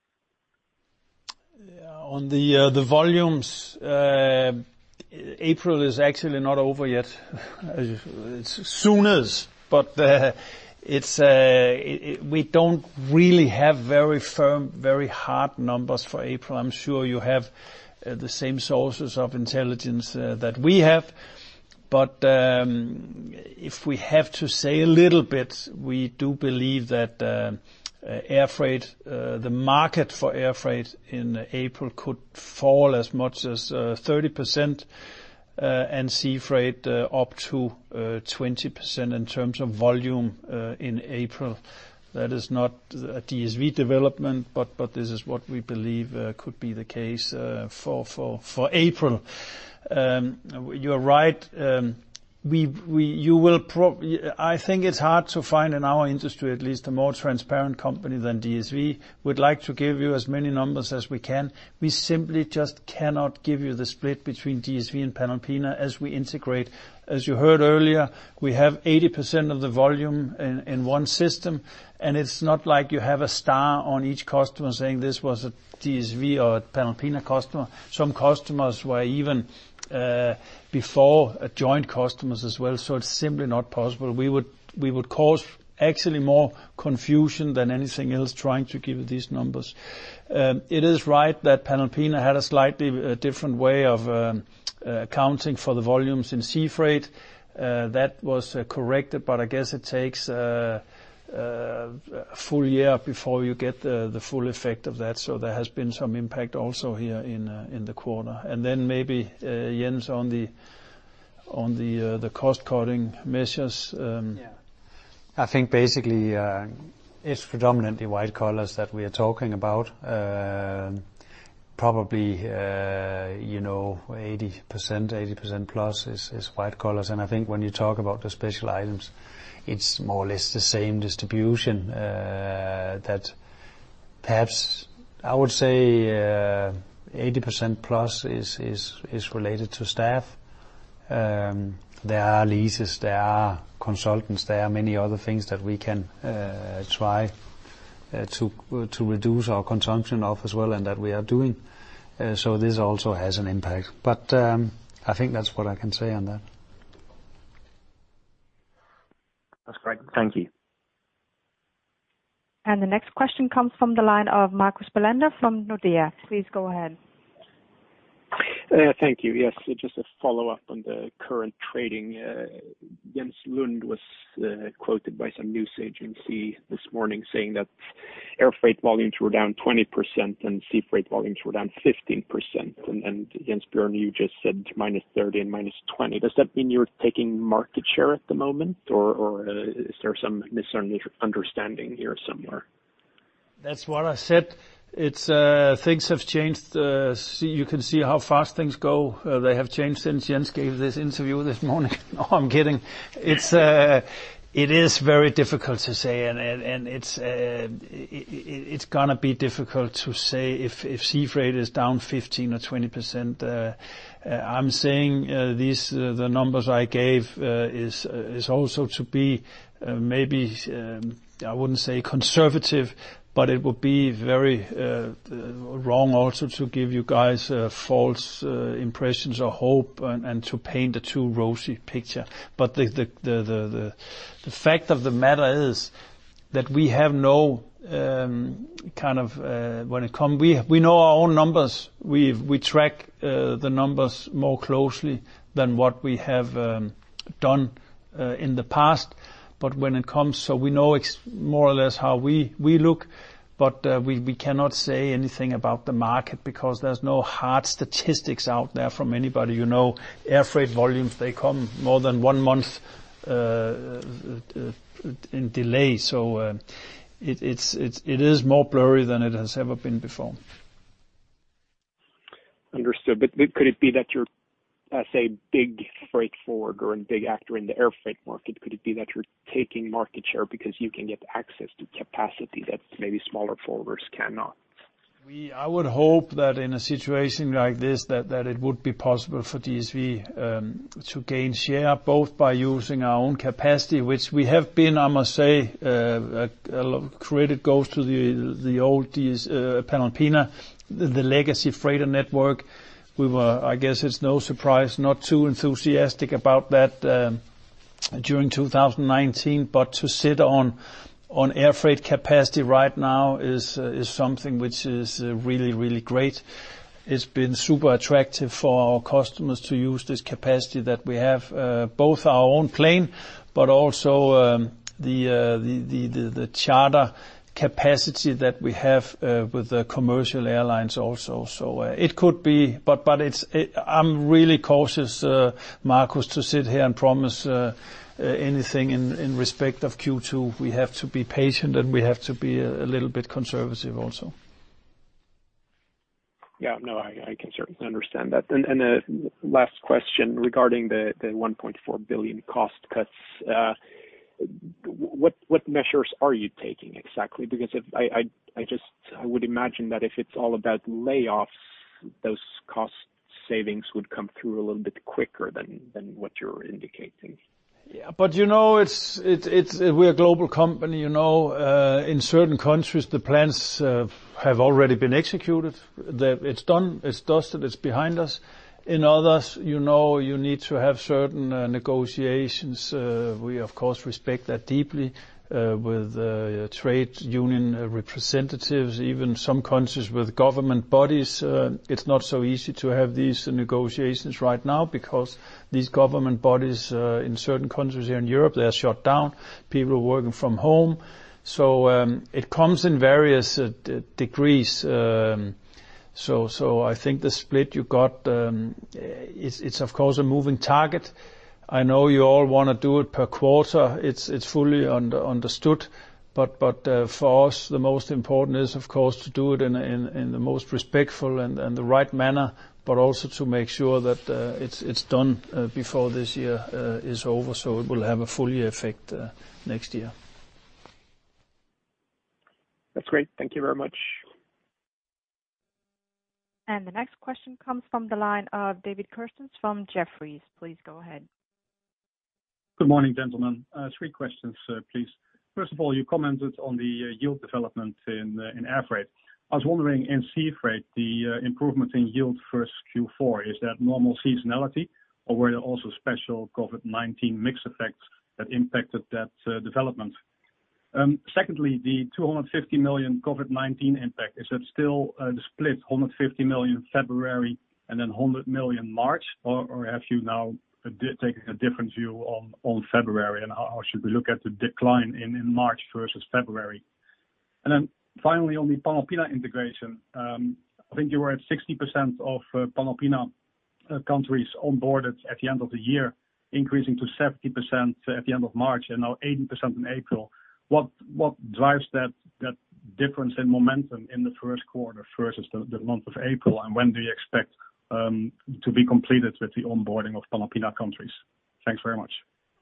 On the volumes, April is actually not over yet. Soon is, we don't really have very firm, very hard numbers for April. I'm sure you have the same sources of intelligence that we have. If we have to say a little bit, we do believe that the market for air freight in April could fall as much as 30%, and sea freight up to 20% in terms of volume in April. That is not a DSV development. This is what we believe could be the case for April. You're right. I think it's hard to find, in our industry at least, a more transparent company than DSV. We'd like to give you as many numbers as we can. We simply just cannot give you the split between DSV and Panalpina as we integrate. As you heard earlier, we have 80% of the volume in one system. It's not like you have a star on each customer saying, "This was a DSV or a Panalpina customer." Some customers were even before joint customers as well. It's simply not possible. We would cause actually more confusion than anything else trying to give these numbers. It is right that Panalpina had a slightly different way of accounting for the volumes in sea freight. That was corrected. I guess it takes a full year before you get the full effect of that. There has been some impact also here in the quarter. Maybe, Jens, on the cost-cutting measures. Yeah. I think basically, it's predominantly white collars that we are talking about. Probably 80%, 80%+ is white collars. I think when you talk about the special items, it's more or less the same distribution that perhaps, I would say, 80%+ is related to staff. There are leases, there are consultants, there are many other things that we can try to reduce our consumption of as well, and that we are doing. This also has an impact. I think that's what I can say on that. That's great. Thank you. The next question comes from the line of Marcus Bellander from Nordea. Please go ahead. Thank you. Yes, just a follow-up on the current trading. Jens Lund was quoted by some news agency this morning saying that air freight volumes were down 20% and sea freight volumes were down 15%. Jens Bjørn, you just said to -30 and -20. Does that mean you're taking market share at the moment, or is there some misunderstanding here somewhere? That's what I said. Things have changed. You can see how fast things go. They have changed since Jens gave this interview this morning. No, I'm kidding. It is very difficult to say, and it's going to be difficult to say if sea freight is down 15% or 20%. I'm saying the numbers I gave is also to be maybe, I wouldn't say conservative, but it would be very wrong also to give you guys false impressions or hope and to paint a too rosy picture. But the fact of the matter is We know our own numbers. We track the numbers more closely than what we have done in the past. When it comes, so we know it's more or less how we look, but we cannot say anything about the market because there's no hard statistics out there from anybody. Air freight volumes, they come more than one month in delay. It is more blurry than it has ever been before. Understood. Could it be that you're, as a big freight forwarder and big actor in the air freight market, could it be that you're taking market share because you can get access to capacity that maybe smaller forwarders cannot? I would hope that in a situation like this, that it would be possible for DSV to gain share, both by using our own capacity, which we have been, I must say, a lot of credit goes to the old Panalpina, the legacy freighter network. We were, I guess it's no surprise, not too enthusiastic about that during 2019, but to sit on air freight capacity right now is something which is really great. It's been super attractive for our customers to use this capacity that we have, both our own plane, but also the charter capacity that we have with the commercial airlines also. It could be, but I'm really cautious, Marcus, to sit here and promise anything in respect of Q2. We have to be patient, and we have to be a little bit conservative also. Yeah, no, I can certainly understand that. The last question regarding the 1.4 billion cost cuts. What measures are you taking exactly? I would imagine that if it's all about layoffs, those cost savings would come through a little bit quicker than what you're indicating. Yeah. We're a global company. In certain countries, the plans have already been executed. It's done, it's dusted, it's behind us. In others, you need to have certain negotiations. We, of course, respect that deeply with trade union representatives, even some countries with government bodies. It's not so easy to have these negotiations right now because these government bodies, in certain countries here in Europe, they are shut down. People are working from home. It comes in various degrees. I think the split you got, it's of course a moving target. I know you all want to do it per quarter. It's fully understood. For us, the most important is, of course, to do it in the most respectful and the right manner, but also to make sure that it's done before this year is over, so it will have a full-year effect next year. That's great. Thank you very much. The next question comes from the line of David Kerstens from Jefferies. Please go ahead. Good morning, gentlemen. Three questions, please. You commented on the yield development in air freight. I was wondering, in sea freight, the improvement in yield versus Q4, is that normal seasonality, or were there also special COVID-19 mix effects that impacted that development? The 250 million COVID-19 impact, is that still the split, 150 million February and 100 million March, or have you now taken a different view on February, and how should we look at the decline in March versus February? Finally, on the Panalpina integration. I think you were at 60% of Panalpina countries onboarded at the end of the year, increasing to 70% at the end of March, and now 80% in April. What drives that difference in momentum in the first quarter versus the month of April, and when do you expect to be completed with the onboarding of Panalpina countries? Thanks very much.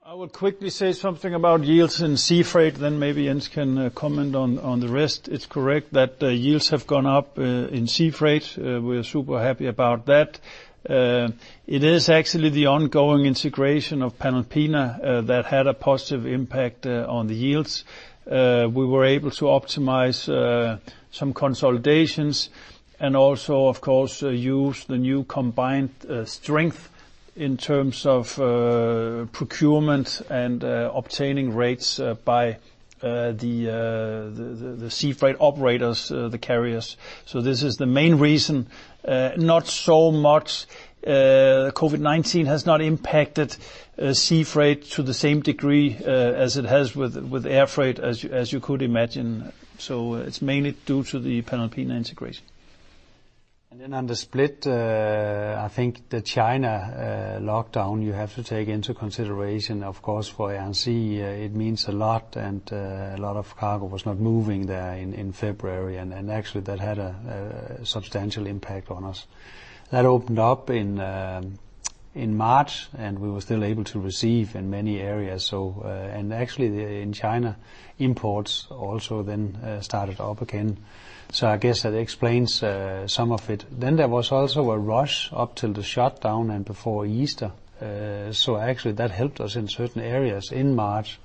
I will quickly say something about yields in sea freight, then maybe Jens can comment on the rest. It's correct that yields have gone up in sea freight. We're super happy about that. It is actually the ongoing integration of Panalpina that had a positive impact on the yields. We were able to optimize some consolidations and also, of course, use the new combined strength in terms of procurement and obtaining rates by the sea freight operators, the carriers. This is the main reason. Not so much. COVID-19 has not impacted sea freight to the same degree as it has with air freight, as you could imagine. It's mainly due to the Panalpina integration. Then on the split, I think the China lockdown, you have to take into consideration, of course, for Air & Sea, it means a lot, and a lot of cargo was not moving there in February. Actually, that had a substantial impact on us. That opened up in March, and we were still able to receive in many areas. Actually, in China, imports also then started up again. I guess that explains some of it. There was also a rush up till the shutdown and before Easter. Actually, that helped us in certain areas in March.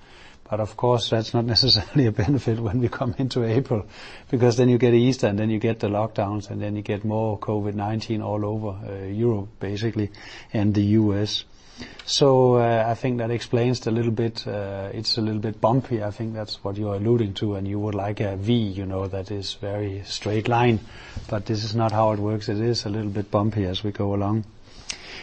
Of course, that's not necessarily a benefit when we come into April, because then you get Easter, and then you get the lockdowns, and then you get more COVID-19 all over Europe, basically, and the U.S. I think that explains it a little bit. It's a little bit bumpy. I think that's what you're alluding to, and you would like a V. That is very straight line. This is not how it works. It is a little bit bumpy as we go along.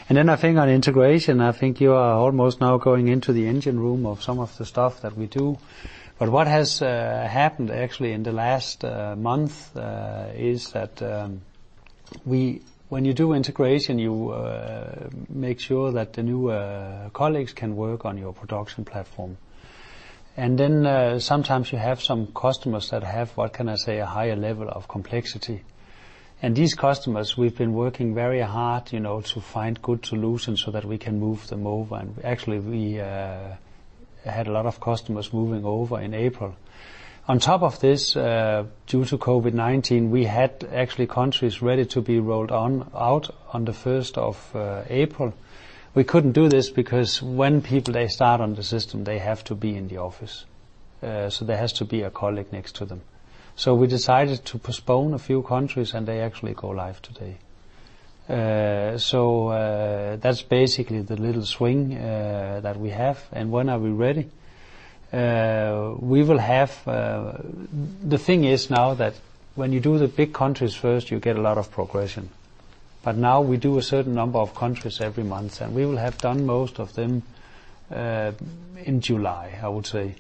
Then I think on integration, I think you are almost now going into the engine room of some of the stuff that we do. What has happened actually in the last month is that when you do integration, you make sure that the new colleagues can work on your production platform. Then sometimes you have some customers that have, what can I say, a higher level of complexity. These customers, we've been working very hard to find good solutions so that we can move them over. Actually, we had a lot of customers moving over in April. On top of this, due to COVID-19, we had actually countries ready to be rolled out on the 1st of April. We couldn't do this because when people, they start on the system, they have to be in the office, so there has to be a colleague next to them. We decided to postpone a few countries, and they actually go live today. That's basically the little swing that we have. When are we ready? The thing is now that when you do the big countries first, you get a lot of progression. Now we do a certain number of countries every month, and we will have done most of them in July, I would say.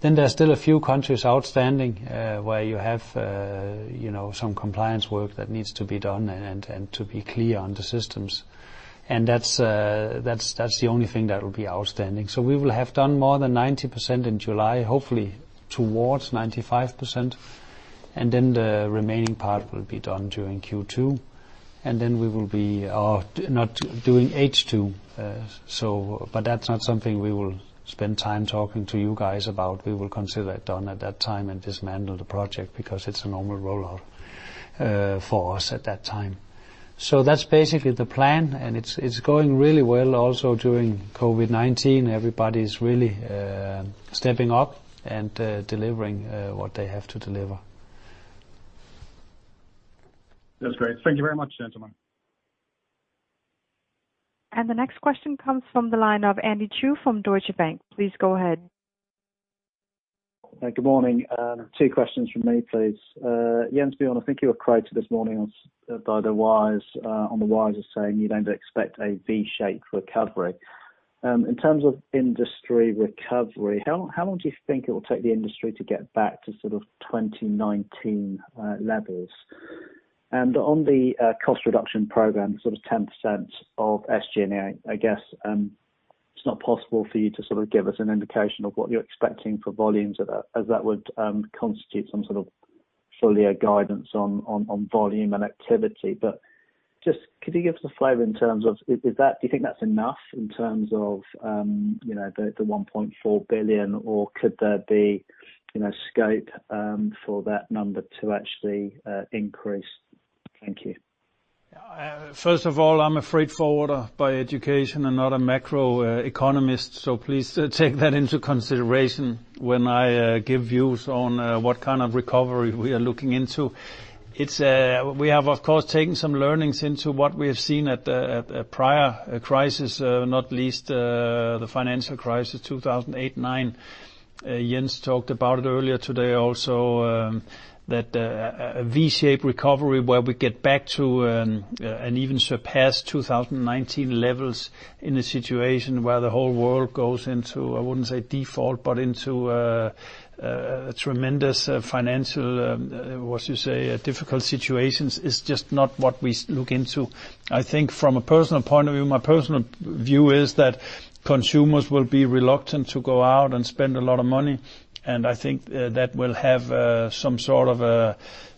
There's still a few countries outstanding, where you have some compliance work that needs to be done and to be clear on the systems. That's the only thing that will be outstanding. We will have done more than 90% in July, hopefully towards 95%. The remaining part will be done during Q2, and then we will be not doing H2. That's not something we will spend time talking to you guys about. We will consider it done at that time and dismantle the project, because it's a normal rollout for us at that time. That's basically the plan, and it's going really well also during COVID-19. Everybody's really stepping up and delivering what they have to deliver. That's great. Thank you very much, gentlemen. The next question comes from the line of Andy Chu from Deutsche Bank. Please go ahead. Good morning. Two questions from me, please. Jens Bjørn, I think you were quoted this morning on the wires as saying you don't expect a V-shaped recovery. In terms of industry recovery, how long do you think it will take the industry to get back to sort of 2019 levels? On the cost reduction program, sort of 10% of SG&A, I guess it's not possible for you to sort of give us an indication of what you're expecting for volumes as that would constitute some sort of fuller guidance on volume and activity. Just could you give us a flavor in terms of, do you think that's enough in terms of the 1.4 billion, or could there be scope for that number to actually increase? Thank you. First of all, I'm a freight forwarder by education and not a macroeconomist, so please take that into consideration when I give views on what kind of recovery we are looking into. We have, of course, taken some learnings into what we have seen at the prior crisis, not least the financial crisis 2008-9. Jens talked about it earlier today also, that a V-shaped recovery where we get back to, and even surpass 2019 levels in a situation where the whole world goes into, I wouldn't say default, but into a tremendous financial, what you say, difficult situations, is just not what we look into. I think from a personal point of view, my personal view is that consumers will be reluctant to go out and spend a lot of money, and I think that will have some sort of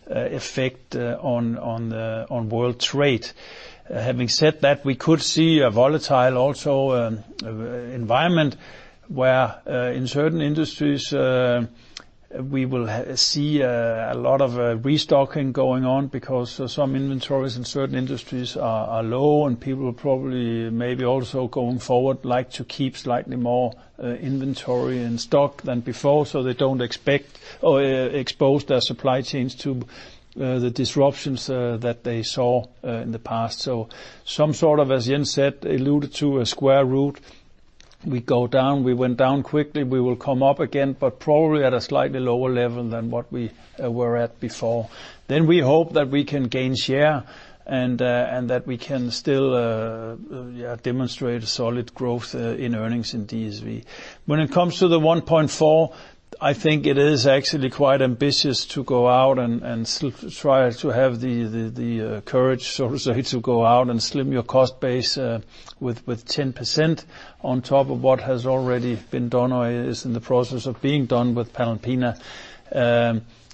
effect on world trade. Having said that, we could see a volatile also environment where, in certain industries, we will see a lot of restocking going on because some inventories in certain industries are low and people are probably maybe also going forward like to keep slightly more inventory in stock than before, so they don't expose their supply chains to the disruptions that they saw in the past. Some sort of, as Jens said, alluded to a square root. We go down, we went down quickly, we will come up again, but probably at a slightly lower level than what we were at before. We hope that we can gain share and that we can still demonstrate a solid growth in earnings in DSV. When it comes to the 1.4, I think it is actually quite ambitious to go out and try to have the courage, so to say, to go out and slim your cost base with 10% on top of what has already been done or is in the process of being done with Panalpina.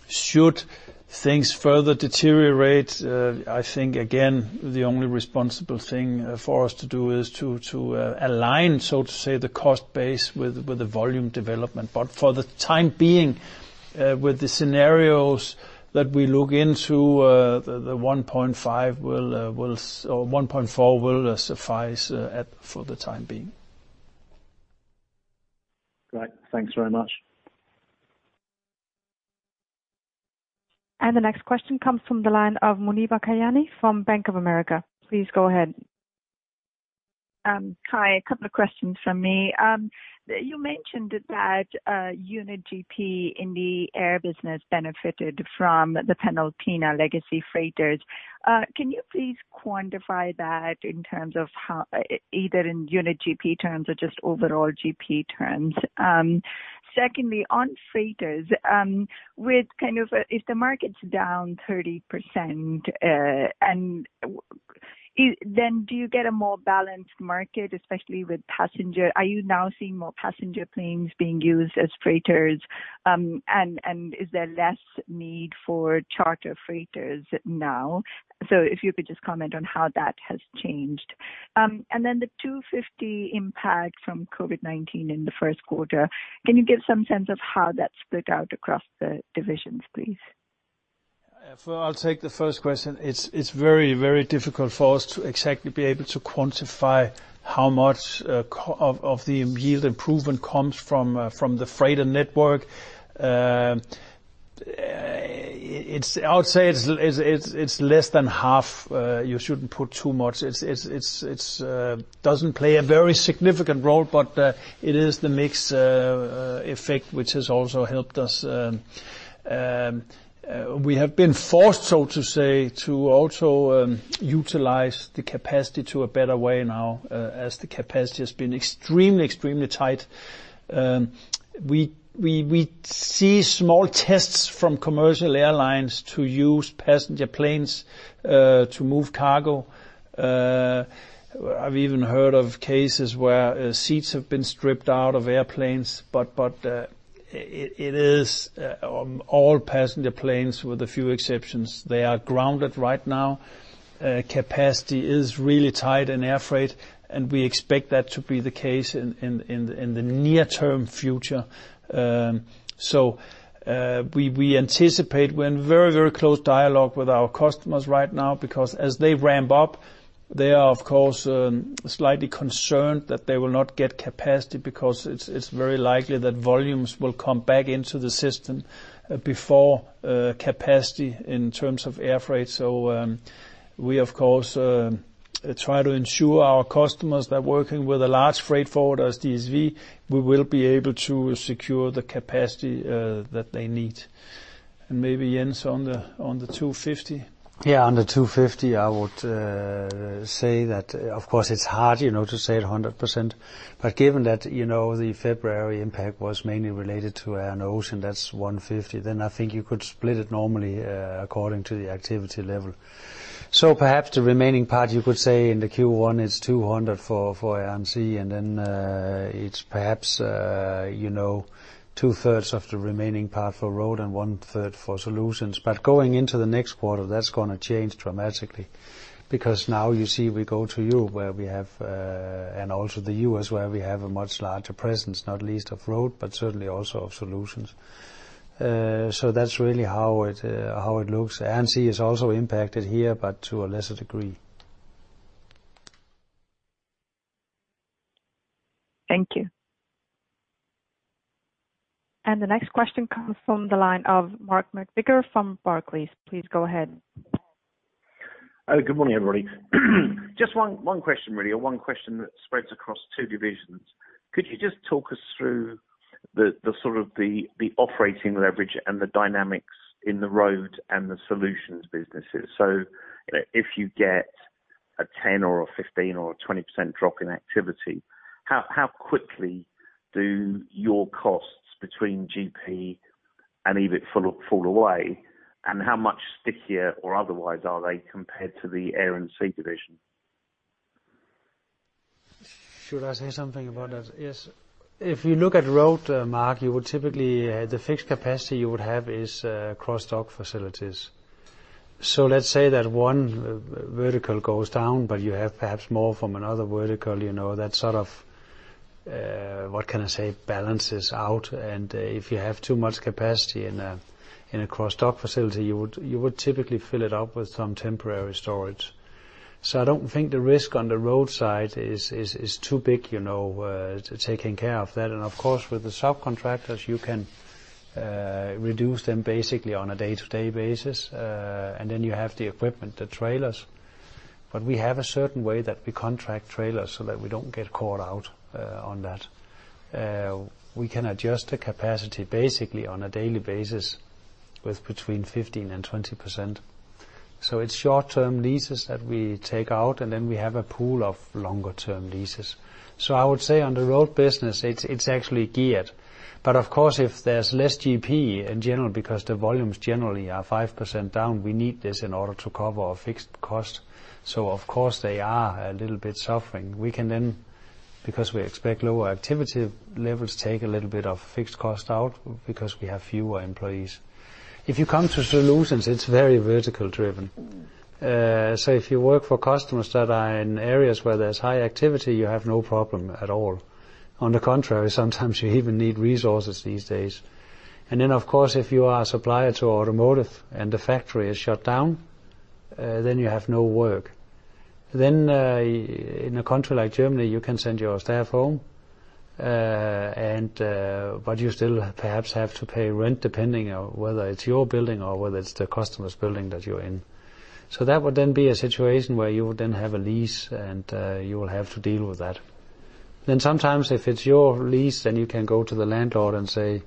Should things further deteriorate, I think, again, the only responsible thing for us to do is to align, so to say, the cost base with the volume development. For the time being, with the scenarios that we look into, the 1.4 will suffice for the time being. Great. Thanks very much. The next question comes from the line of Muneeba Kayani from Bank of America. Please go ahead. Hi, a couple of questions from me. You mentioned that unit GP in the Air business benefited from the Panalpina legacy freighters. Can you please quantify that in terms of either in unit GP terms or just overall GP terms? Secondly, on freighters, if the market's down 30%, then do you get a more balanced market, especially with passenger? Are you now seeing more passenger planes being used as freighters? Is there less need for charter freighters now? If you could just comment on how that has changed. The 250 impact from COVID-19 in the first quarter, can you give some sense of how that split out across the divisions, please? I'll take the first question. It's very difficult for us to exactly be able to quantify how much of the yield improvement comes from the freighter network. I would say it's less than half. You shouldn't put too much. It doesn't play a very significant role, but it is the mix effect, which has also helped us. We have been forced, so to say, to also utilize the capacity to a better way now as the capacity has been extremely tight. We see small tests from commercial airlines to use passenger planes to move cargo. I've even heard of cases where seats have been stripped out of airplanes, but it is all passenger planes with a few exceptions. They are grounded right now. Capacity is really tight in air freight, and we expect that to be the case in the near-term future. We anticipate we're in very close dialogue with our customers right now because as they ramp up, they are, of course, slightly concerned that they will not get capacity because it's very likely that volumes will come back into the system before capacity in terms of air freight. We, of course, try to ensure our customers that working with a large freight forwarder as DSV, we will be able to secure the capacity that they need. Maybe, Jens, on the 250. On the 250, I would say that, of course, it's hard to say it 100%. Given that the February impact was mainly related to an ocean, that's 150, I think you could split it normally according to the activity level. Perhaps the remaining part you could say in the Q1 is DKK 200 for Air & Sea, it's perhaps 2/3 of the remaining part for road and one-third for solutions. Going into the next quarter, that's going to change dramatically because now you see we go to you and also the U.S., where we have a much larger presence, not least of road, but certainly also of solutions. That's really how it looks. ANC is also impacted here, to a lesser degree. Thank you. The next question comes from the line of Mark McVicar from Barclays. Please go ahead. Good morning, everybody. Just one question, really, or one question that spreads across two divisions. Could you just talk us through the sort of the operating leverage and the dynamics in the Road and the Solutions businesses? If you get a 10 or a 15 or a 20% drop in activity, how quickly do your costs between GP and EBIT fall away, and how much stickier or otherwise are they compared to the Air & Sea division? Should I say something about that? Yes. If you look at Road, Mark, you would typically, the fixed capacity you would have is cross-dock facilities. Let's say that one vertical goes down, but you have perhaps more from another vertical, that sort of, what can I say, balances out. If you have too much capacity in a cross-dock facility, you would typically fill it up with some temporary storage. I don't think the risk on the Road side is too big, taking care of that. Of course, with the subcontractors, you can reduce them basically on a day-to-day basis. Then you have the equipment, the trailers. We have a certain way that we contract trailers so that we don't get caught out on that. We can adjust the capacity basically on a daily basis with between 15% and 20%. It's short-term leases that we take out, and then we have a pool of longer-term leases. I would say on the Road business, it's actually geared. Of course, if there's less GP in general, because the volumes generally are 5% down, we need this in order to cover our fixed cost. Of course, they are a little bit suffering. We can then, because we expect lower activity levels, take a little bit of fixed cost out because we have fewer employees. If you come to Solutions, it's very vertical driven. If you work for customers that are in areas where there's high activity, you have no problem at all. On the contrary, sometimes you even need resources these days. Then, of course, if you are a supplier to automotive and the factory is shut down, then you have no work. In a country like Germany, you can send your staff home. You still perhaps have to pay rent depending on whether it's your building or whether it's the customer's building that you're in. That would then be a situation where you would then have a lease, and you will have to deal with that. Sometimes if it's your lease, then you can go to the landlord and say,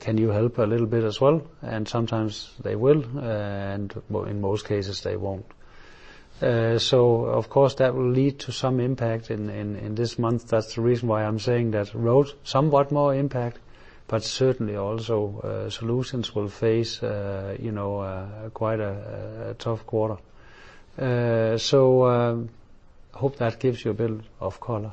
"Can you help a little bit as well?" Sometimes they will, and in most cases, they won't. Of course, that will lead to some impact in this month. That's the reason why I'm saying that Road, somewhat more impact, but certainly also Solutions will face quite a tough quarter. Hope that gives you a bit of color.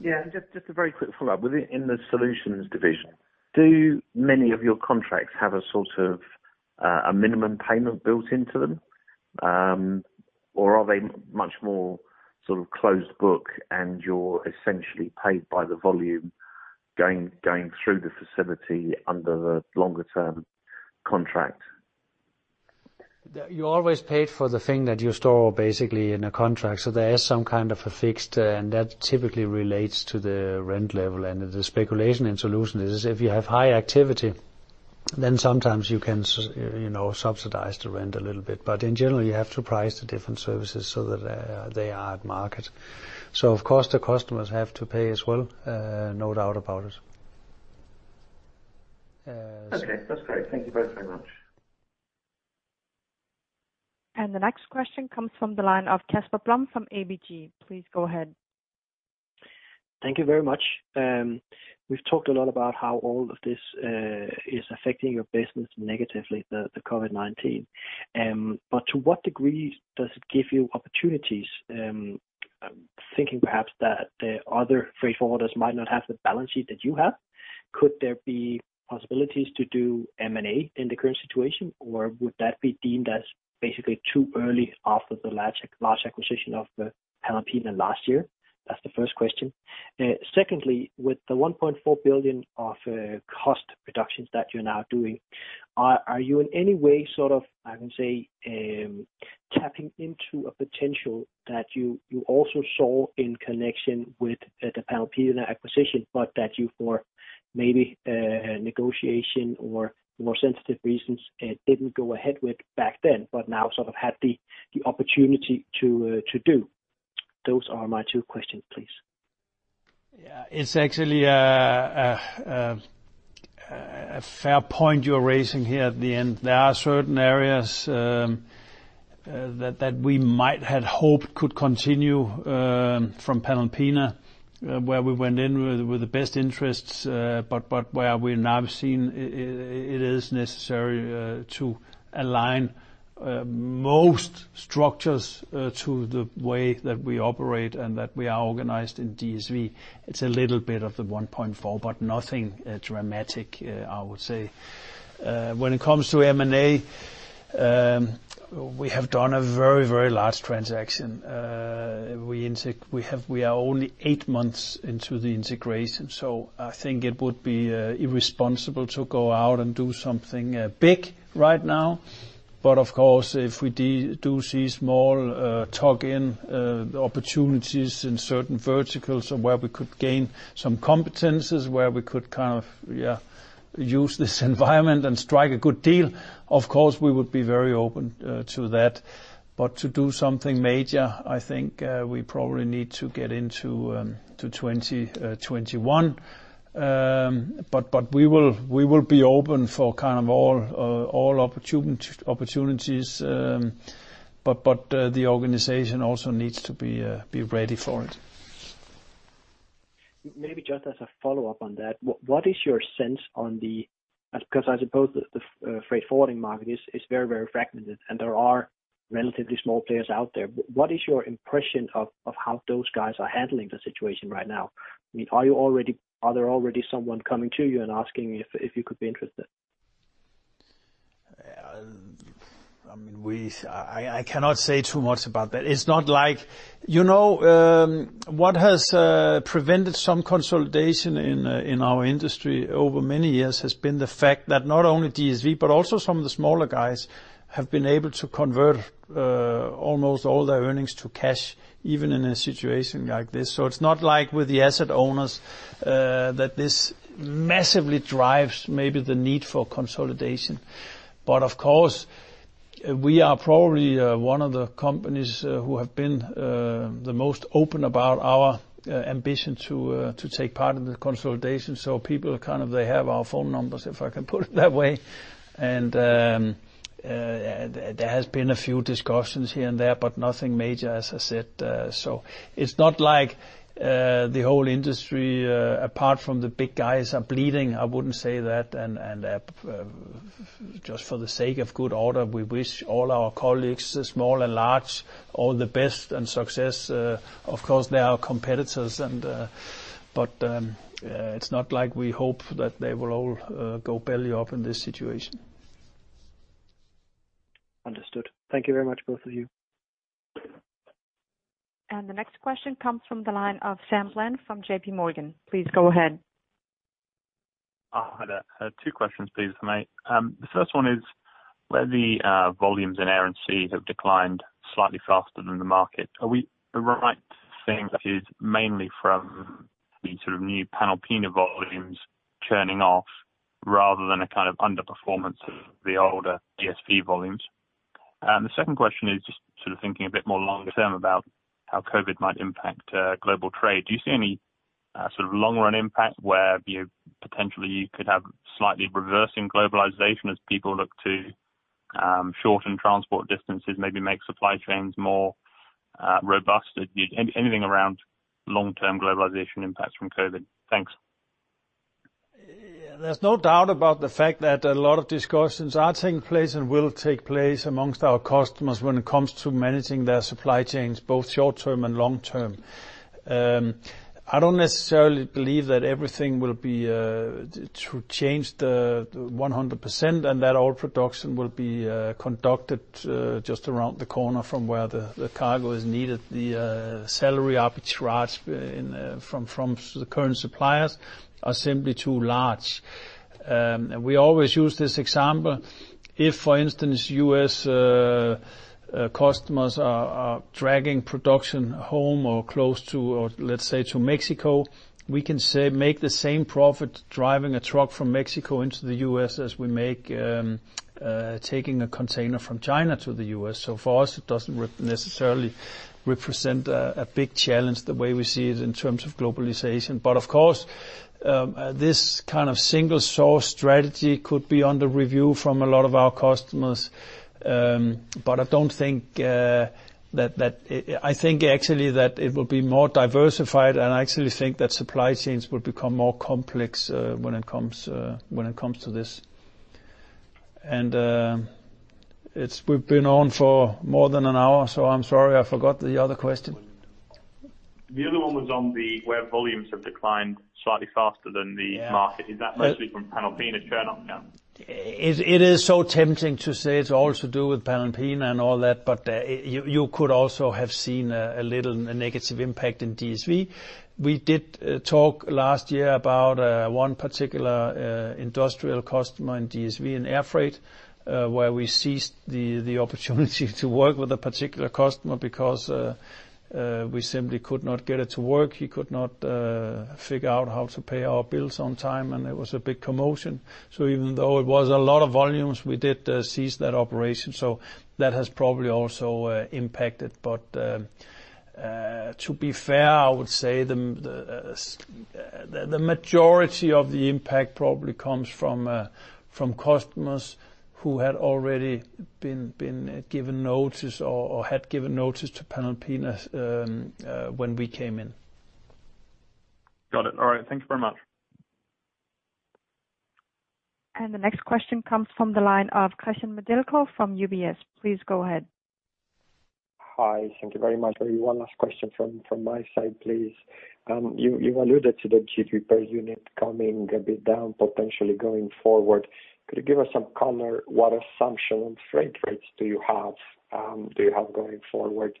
Yeah. Just a very quick follow-up. Within the Solutions division, do many of your contracts have a sort of minimum payment built into them? Are they much more sort of closed book and you're essentially paid by the volume going through the facility under the longer-term contract? You're always paid for the thing that you store basically in a contract. There is some kind of a fixed, that typically relates to the rent level. The speculation in Solutions is if you have high activity, sometimes you can subsidize the rent a little bit. In general, you have to price the different services so that they are at market. Of course, the customers have to pay as well, no doubt about it. Okay. That's great. Thank you both very much. The next question comes from the line of Casper Blom from ABG. Please go ahead. Thank you very much. We've talked a lot about how all of this is affecting your business negatively, the COVID-19. To what degree does it give you opportunities? I'm thinking perhaps that the other freight forwarders might not have the balance sheet that you have. Could there be possibilities to do M&A in the current situation, or would that be deemed as basically too early after the large acquisition of Panalpina last year? That's the first question. Secondly, with the 1.4 billion of cost reductions that you're now doing, are you in any way sort of, I can say, tapping into a potential that you also saw in connection with the Panalpina acquisition, but that you, for maybe negotiation or more sensitive reasons, didn't go ahead with back then, but now sort of had the opportunity to do? Those are my two questions, please. It's actually a fair point you're raising here at the end. There are certain areas that we might had hoped could continue from Panalpina, where we went in with the best interests, but where we now have seen it is necessary to align most structures to the way that we operate and that we are organized in DSV. It's a little bit of the 1.4, but nothing dramatic, I would say. When it comes to M&A, we have done a very, very large transaction. We are only eight months into the integration. I think it would be irresponsible to go out and do something big right now. Of course, if we do see small tuck-in opportunities in certain verticals or where we could gain some competencies where we could kind of use this environment and strike a good deal, of course, we would be very open to that. To do something major, I think we probably need to get into 2021. We will be open for kind of all opportunities. The organization also needs to be ready for it. Maybe just as a follow-up on that, what is your sense on the Because I suppose the freight forwarding market is very, very fragmented, and there are relatively small players out there. What is your impression of how those guys are handling the situation right now? Are there already someone coming to you and asking if you could be interested? I cannot say too much about that. What has prevented some consolidation in our industry over many years has been the fact that not only DSV, but also some of the smaller guys have been able to convert almost all their earnings to cash, even in a situation like this. It's not like with the asset owners that this massively drives maybe the need for consolidation. Of course, we are probably one of the companies who have been the most open about our ambition to take part in the consolidation. People kind of, they have our phone numbers, if I can put it that way. There has been a few discussions here and there, but nothing major, as I said. It's not like the whole industry, apart from the big guys, are bleeding. I wouldn't say that. Just for the sake of good order, we wish all our colleagues, small and large, all the best and success. Of course, they are competitors, but it’s not like we hope that they will all go belly up in this situation. Understood. Thank you very much, both of you. The next question comes from the line of Samuel Bland from JPMorgan. Please go ahead. Hi there. Two questions please, if I may. The first one is, where the volumes in Air & Sea have declined slightly faster than the market, are we right saying that is mainly from the sort of new Panalpina volumes churning off, rather than a kind of underperformance of the older DSV volumes? The second question is just sort of thinking a bit more longer term about how COVID-19 might impact global trade. Do you see any sort of long-run impact where potentially you could have slightly reversing globalization as people look to shorten transport distances, maybe make supply chains more robust? Anything around long-term globalization impacts from COVID-19? Thanks. There's no doubt about the fact that a lot of discussions are taking place and will take place amongst our customers when it comes to managing their supply chains, both short-term and long-term. I don't necessarily believe that everything will be to change the 100% and that all production will be conducted just around the corner from where the cargo is needed. The salary arbitrage from the current suppliers are simply too large. We always use this example. If, for instance, U.S. customers are dragging production home or close to, let's say, to Mexico, we can make the same profit driving a truck from Mexico into the U.S. as we make taking a container from China to the U.S. For us, it doesn't necessarily represent a big challenge the way we see it in terms of globalization. Of course, this kind of single-source strategy could be under review from a lot of our customers. I think actually that it will be more diversified, and I actually think that supply chains will become more complex when it comes to this. We've been on for more than an hour, so I'm sorry, I forgot the other question. The other one was on the, where volumes have declined slightly faster than the market. Yeah. Is that mostly from Panalpina churn off now? It is so tempting to say it's all to do with Panalpina and all that, you could also have seen a little negative impact in DSV. We did talk last year about one particular industrial customer in DSV in air freight, where we seized the opportunity to work with a particular customer because we simply could not get it to work. He could not figure out how to pay our bills on time, and it was a big commotion. Even though it was a lot of volumes, we did seize that operation. That has probably also impacted. To be fair, I would say the majority of the impact probably comes from customers who had already been given notice or had given notice to Panalpina when we came in. Got it. All right. Thank you very much. The next question comes from the line of Cristian Nedelcu from UBS. Please go ahead. Hi. Thank you very much. Maybe one last question from my side, please. You alluded to the GP per unit coming a bit down, potentially going forward. Could you give us some color, what assumption on freight rates do you have going forward?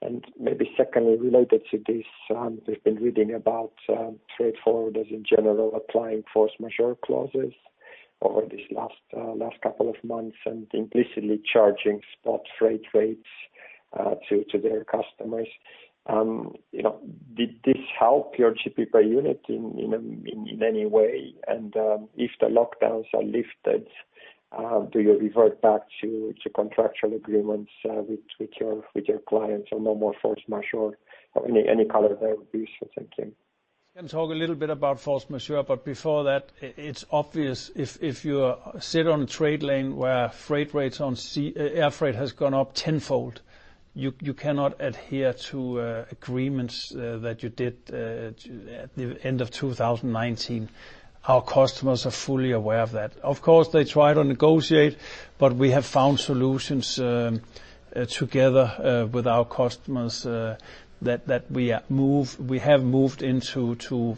And maybe secondly, related to this, we've been reading about freight forwarders in general applying force majeure clauses over this last couple of months, and implicitly charging spot freight rates to their customers. Did this help your GP per unit in any way? And if the lockdowns are lifted, do you revert back to contractual agreements with your clients and no more force majeure? Any color there would be useful. Thank you. Can talk a little bit about force majeure. Before that, it's obvious if you sit on a trade lane where freight rates on air freight has gone up tenfold, you cannot adhere to agreements that you did at the end of 2019. Our customers are fully aware of that. Of course, they try to negotiate. We have found solutions together with our customers that we have moved into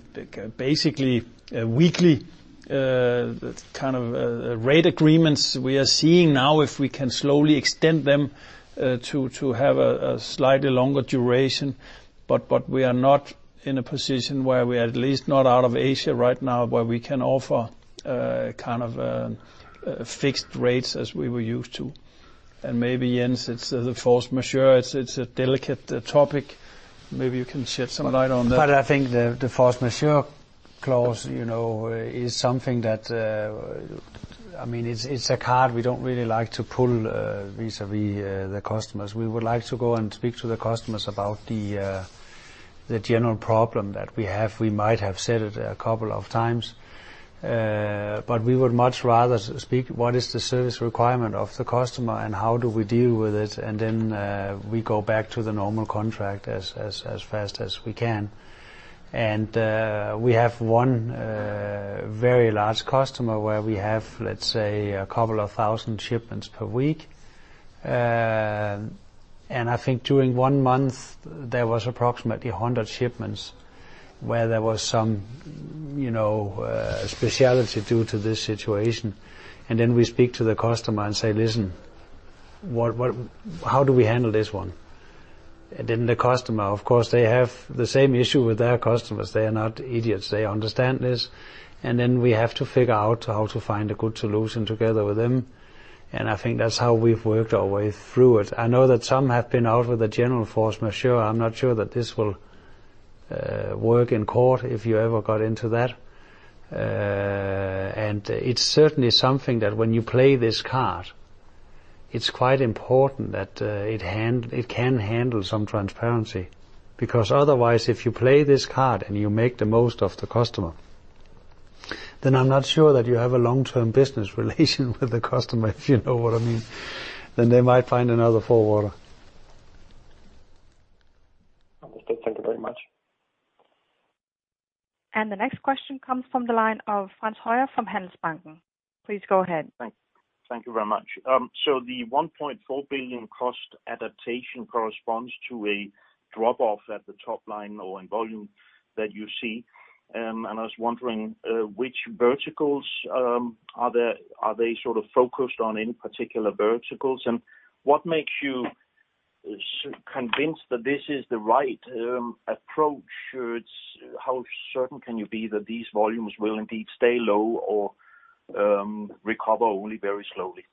basically weekly rate agreements. We are seeing now if we can slowly extend them to have a slightly longer duration. We are not in a position where we, at least not out of Asia right now, where we can offer fixed rates as we were used to. Maybe, Jens, it's the force majeure. It's a delicate topic. Maybe you can shed some light on that. I think the force majeure clause is something that, it's a card we don't really like to pull vis-à-vis the customers. We would like to go and speak to the customers about the general problem that we have. We might have said it a couple of times. We would much rather speak what is the service requirement of the customer and how do we deal with it, and then we go back to the normal contract as fast as we can. We have one very large customer where we have, let's say, a couple of 1,000 shipments per week. I think during one month, there was approximately 100 shipments where there was some specialty due to this situation. We speak to the customer and say, "Listen, how do we handle this one?" The customer, of course, they have the same issue with their customers. They are not idiots. They understand this. We have to figure out how to find a good solution together with them. I think that's how we've worked our way through it. I know that some have been out with the general force majeure. I'm not sure that this will work in court if you ever got into that. It's certainly something that when you play this card, it's quite important that it can handle some transparency, because otherwise, if you play this card and you make the most of the customer, then I'm not sure that you have a long-term business relation with the customer, if you know what I mean. They might find another forwarder. Understood. Thank you very much. The next question comes from the line of Frans Høyer from Handelsbanken. Please go ahead. Thank you very much. The 1.4 billion cost adaptation corresponds to a drop-off at the top line or in volume that you see. I was wondering which verticals are they sort of focused on, any particular verticals, and what makes you convinced that this is the right approach? How certain can you be that these volumes will indeed stay low or recover only very slowly?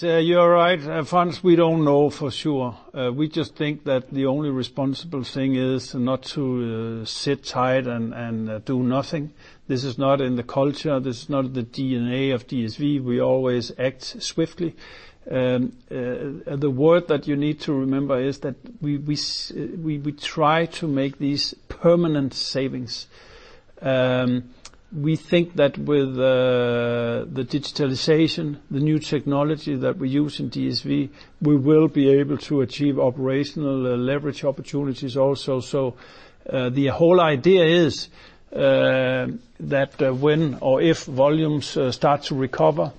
You're right, Frans. We don't know for sure. We just think that the only responsible thing is not to sit tight and do nothing. This is not in the culture, this is not in the DNA of DSV. We always act swiftly. The word that you need to remember is that we try to make these permanent savings. We think that with the digitalization, the new technology that we use in DSV, we will be able to achieve operational leverage opportunities also. The whole idea is that when or if volumes start to recover,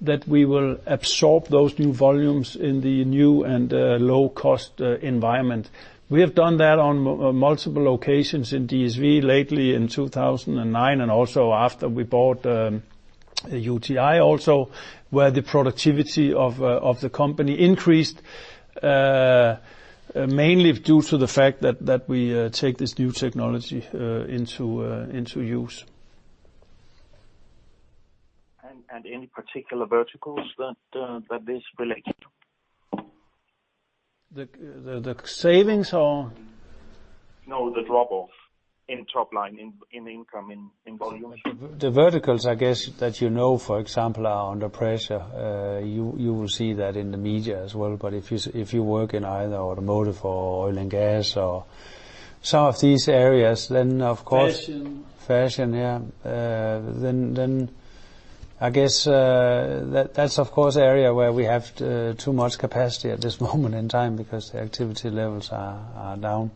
that we will absorb those new volumes in the new and low-cost environment. We have done that on multiple occasions in DSV, lately in 2009, and also after we bought UTI also, where the productivity of the company increased, mainly due to the fact that we take this new technology into use. Any particular verticals that this relates to? The savings or? No, the drop-off in top line, in income, in volume. The verticals, I guess, that you know, for example, are under pressure. You will see that in the media as well, but if you work in either automotive or oil and gas or some of these areas, then of course. Fashion. Fashion, yeah. I guess that's of course area where we have too much capacity at this moment in time because the activity levels are down.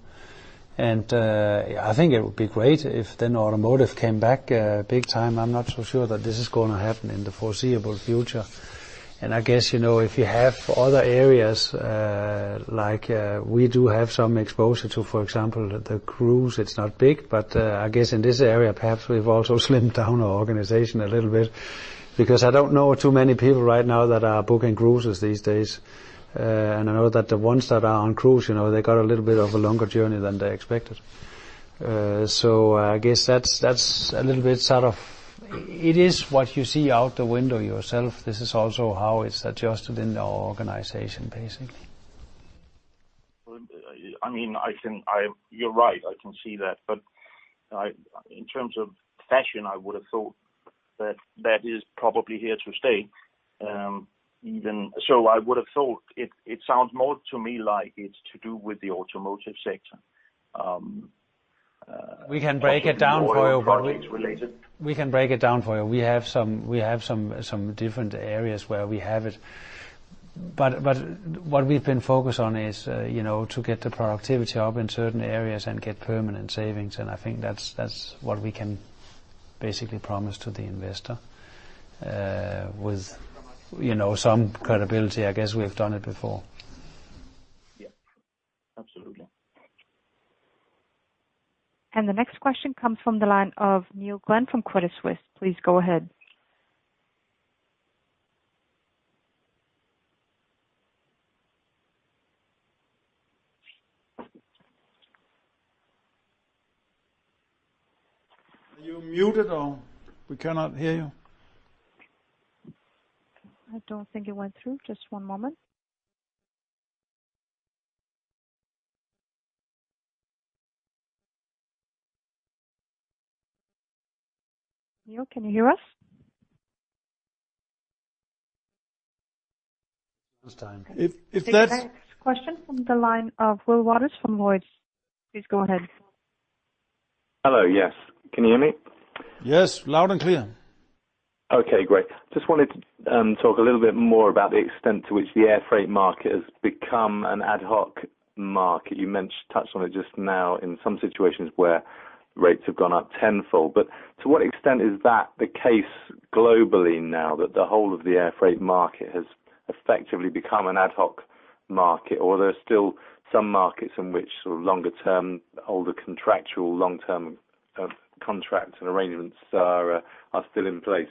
I think it would be great if then automotive came back big time. I'm not so sure that this is going to happen in the foreseeable future. I guess, if you have other areas, like we do have some exposure to, for example, the cruise. It's not big, but I guess in this area, perhaps we've also slimmed down our organization a little bit, because I don't know too many people right now that are booking cruises these days. I know that the ones that are on cruise, they got a little bit of a longer journey than they expected. I guess that's a little bit sort of It is what you see out the window yourself. This is also how it's adjusted in our organization, basically. You're right. I can see that. In terms of fashion, I would've thought that that is probably here to stay. I would've thought, it sounds more to me like it's to do with the automotive sector. We can break it down for you. Oil and products related. We can break it down for you. We have some different areas where we have it. What we've been focused on is to get the productivity up in certain areas and get permanent savings. I think that's what we can basically promise to the investor with some credibility. I guess we've done it before. Yeah. Absolutely. The next question comes from the line of Neil Glynn from Credit Suisse. Please go ahead. Are you muted or? We cannot hear you. I don't think it went through. Just one moment. Neil, can you hear us? This time. Next question from the line of Will Waters from Lloyd's. Please go ahead. Hello. Yes. Can you hear me? Yes, loud and clear. Okay, great. Just wanted to talk a little bit more about the extent to which the air freight market has become an ad hoc market. You touched on it just now in some situations where rates have gone up tenfold. To what extent is that the case globally now that the whole of the air freight market has effectively become an ad hoc market? There are still some markets in which sort of longer term, older contractual long-term contracts and arrangements are still in place?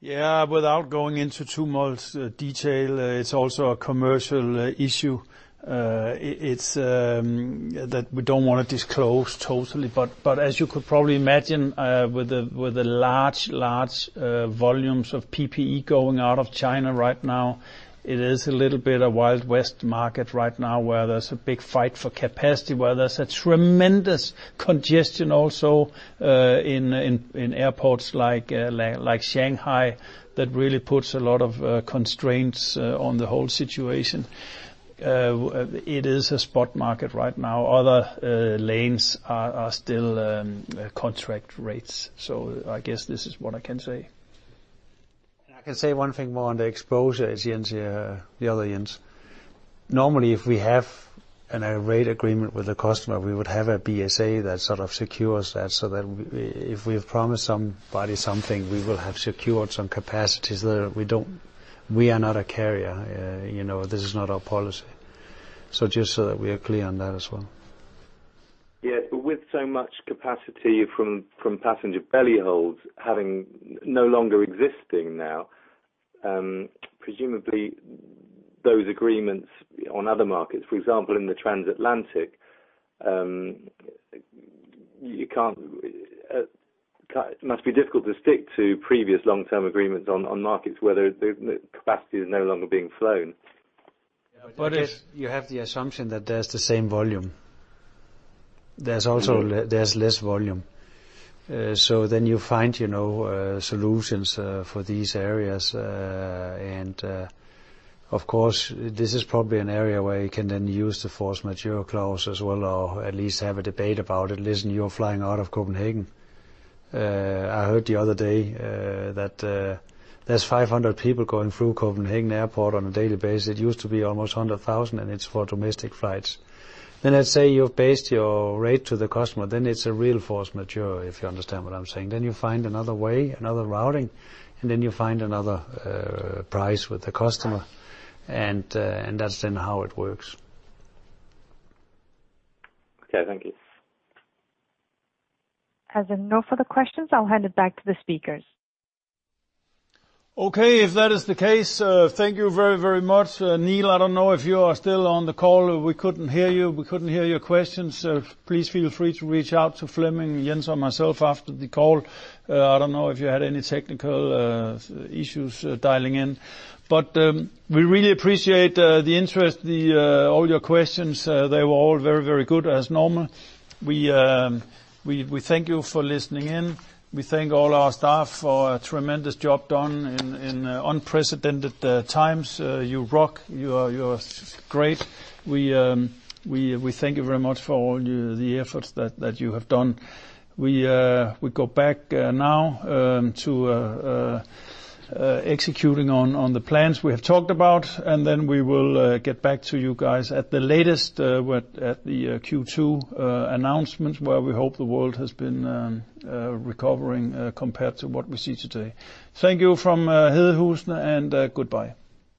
Yeah. Without going into too much detail, it's also a commercial issue that we don't want to disclose totally. As you could probably imagine, with the large volumes of PPE going out of China right now, it is a little bit of Wild West market right now, where there's a big fight for capacity, where there's a tremendous congestion also in airports like Shanghai, that really puts a lot of constraints on the whole situation. It is a spot market right now. Other lanes are still contract rates. I guess this is what I can say. I can say one thing more on the exposure, as Jens, the other Jens. Normally, if we have a rate agreement with a customer, we would have a BSA that sort of secures that, so that if we've promised somebody something, we will have secured some capacities there. We are not a carrier. This is not our policy. Just so that we are clear on that as well. Yeah. With so much capacity from passenger belly holds having no longer existing now, presumably those agreements on other markets, for example, in the transatlantic, it must be difficult to stick to previous long-term agreements on markets where the capacity is no longer being flown. You have the assumption that there's the same volume. There's less volume. You find solutions for these areas. Of course, this is probably an area where you can then use the force majeure clause as well, or at least have a debate about it. Listen, you're flying out of Copenhagen. I heard the other day that there's 500 people going through Copenhagen Airport on a daily basis. It used to be almost 100,000, and it's for domestic flights. Let's say you've based your rate to the customer, then it's a real force majeure, if you understand what I'm saying. You find another way, another routing, and then you find another price with the customer. That's then how it works. Okay. Thank you. As there are no further questions, I'll hand it back to the speakers. If that is the case, thank you very much. Neil, I don't know if you are still on the call. We couldn't hear you, we couldn't hear your questions. Please feel free to reach out to Flemming, Jens, or myself after the call. I don't know if you had any technical issues dialing in. We really appreciate the interest, all your questions. They were all very good as normal. We thank you for listening in. We thank all our staff for a tremendous job done in unprecedented times. You rock. You're great. We thank you very much for all the efforts that you have done. We go back now to executing on the plans we have talked about, we will get back to you guys at the latest, at the Q2 announcements, where we hope the world has been recovering compared to what we see today. Thank you from Hedehusene, and goodbye.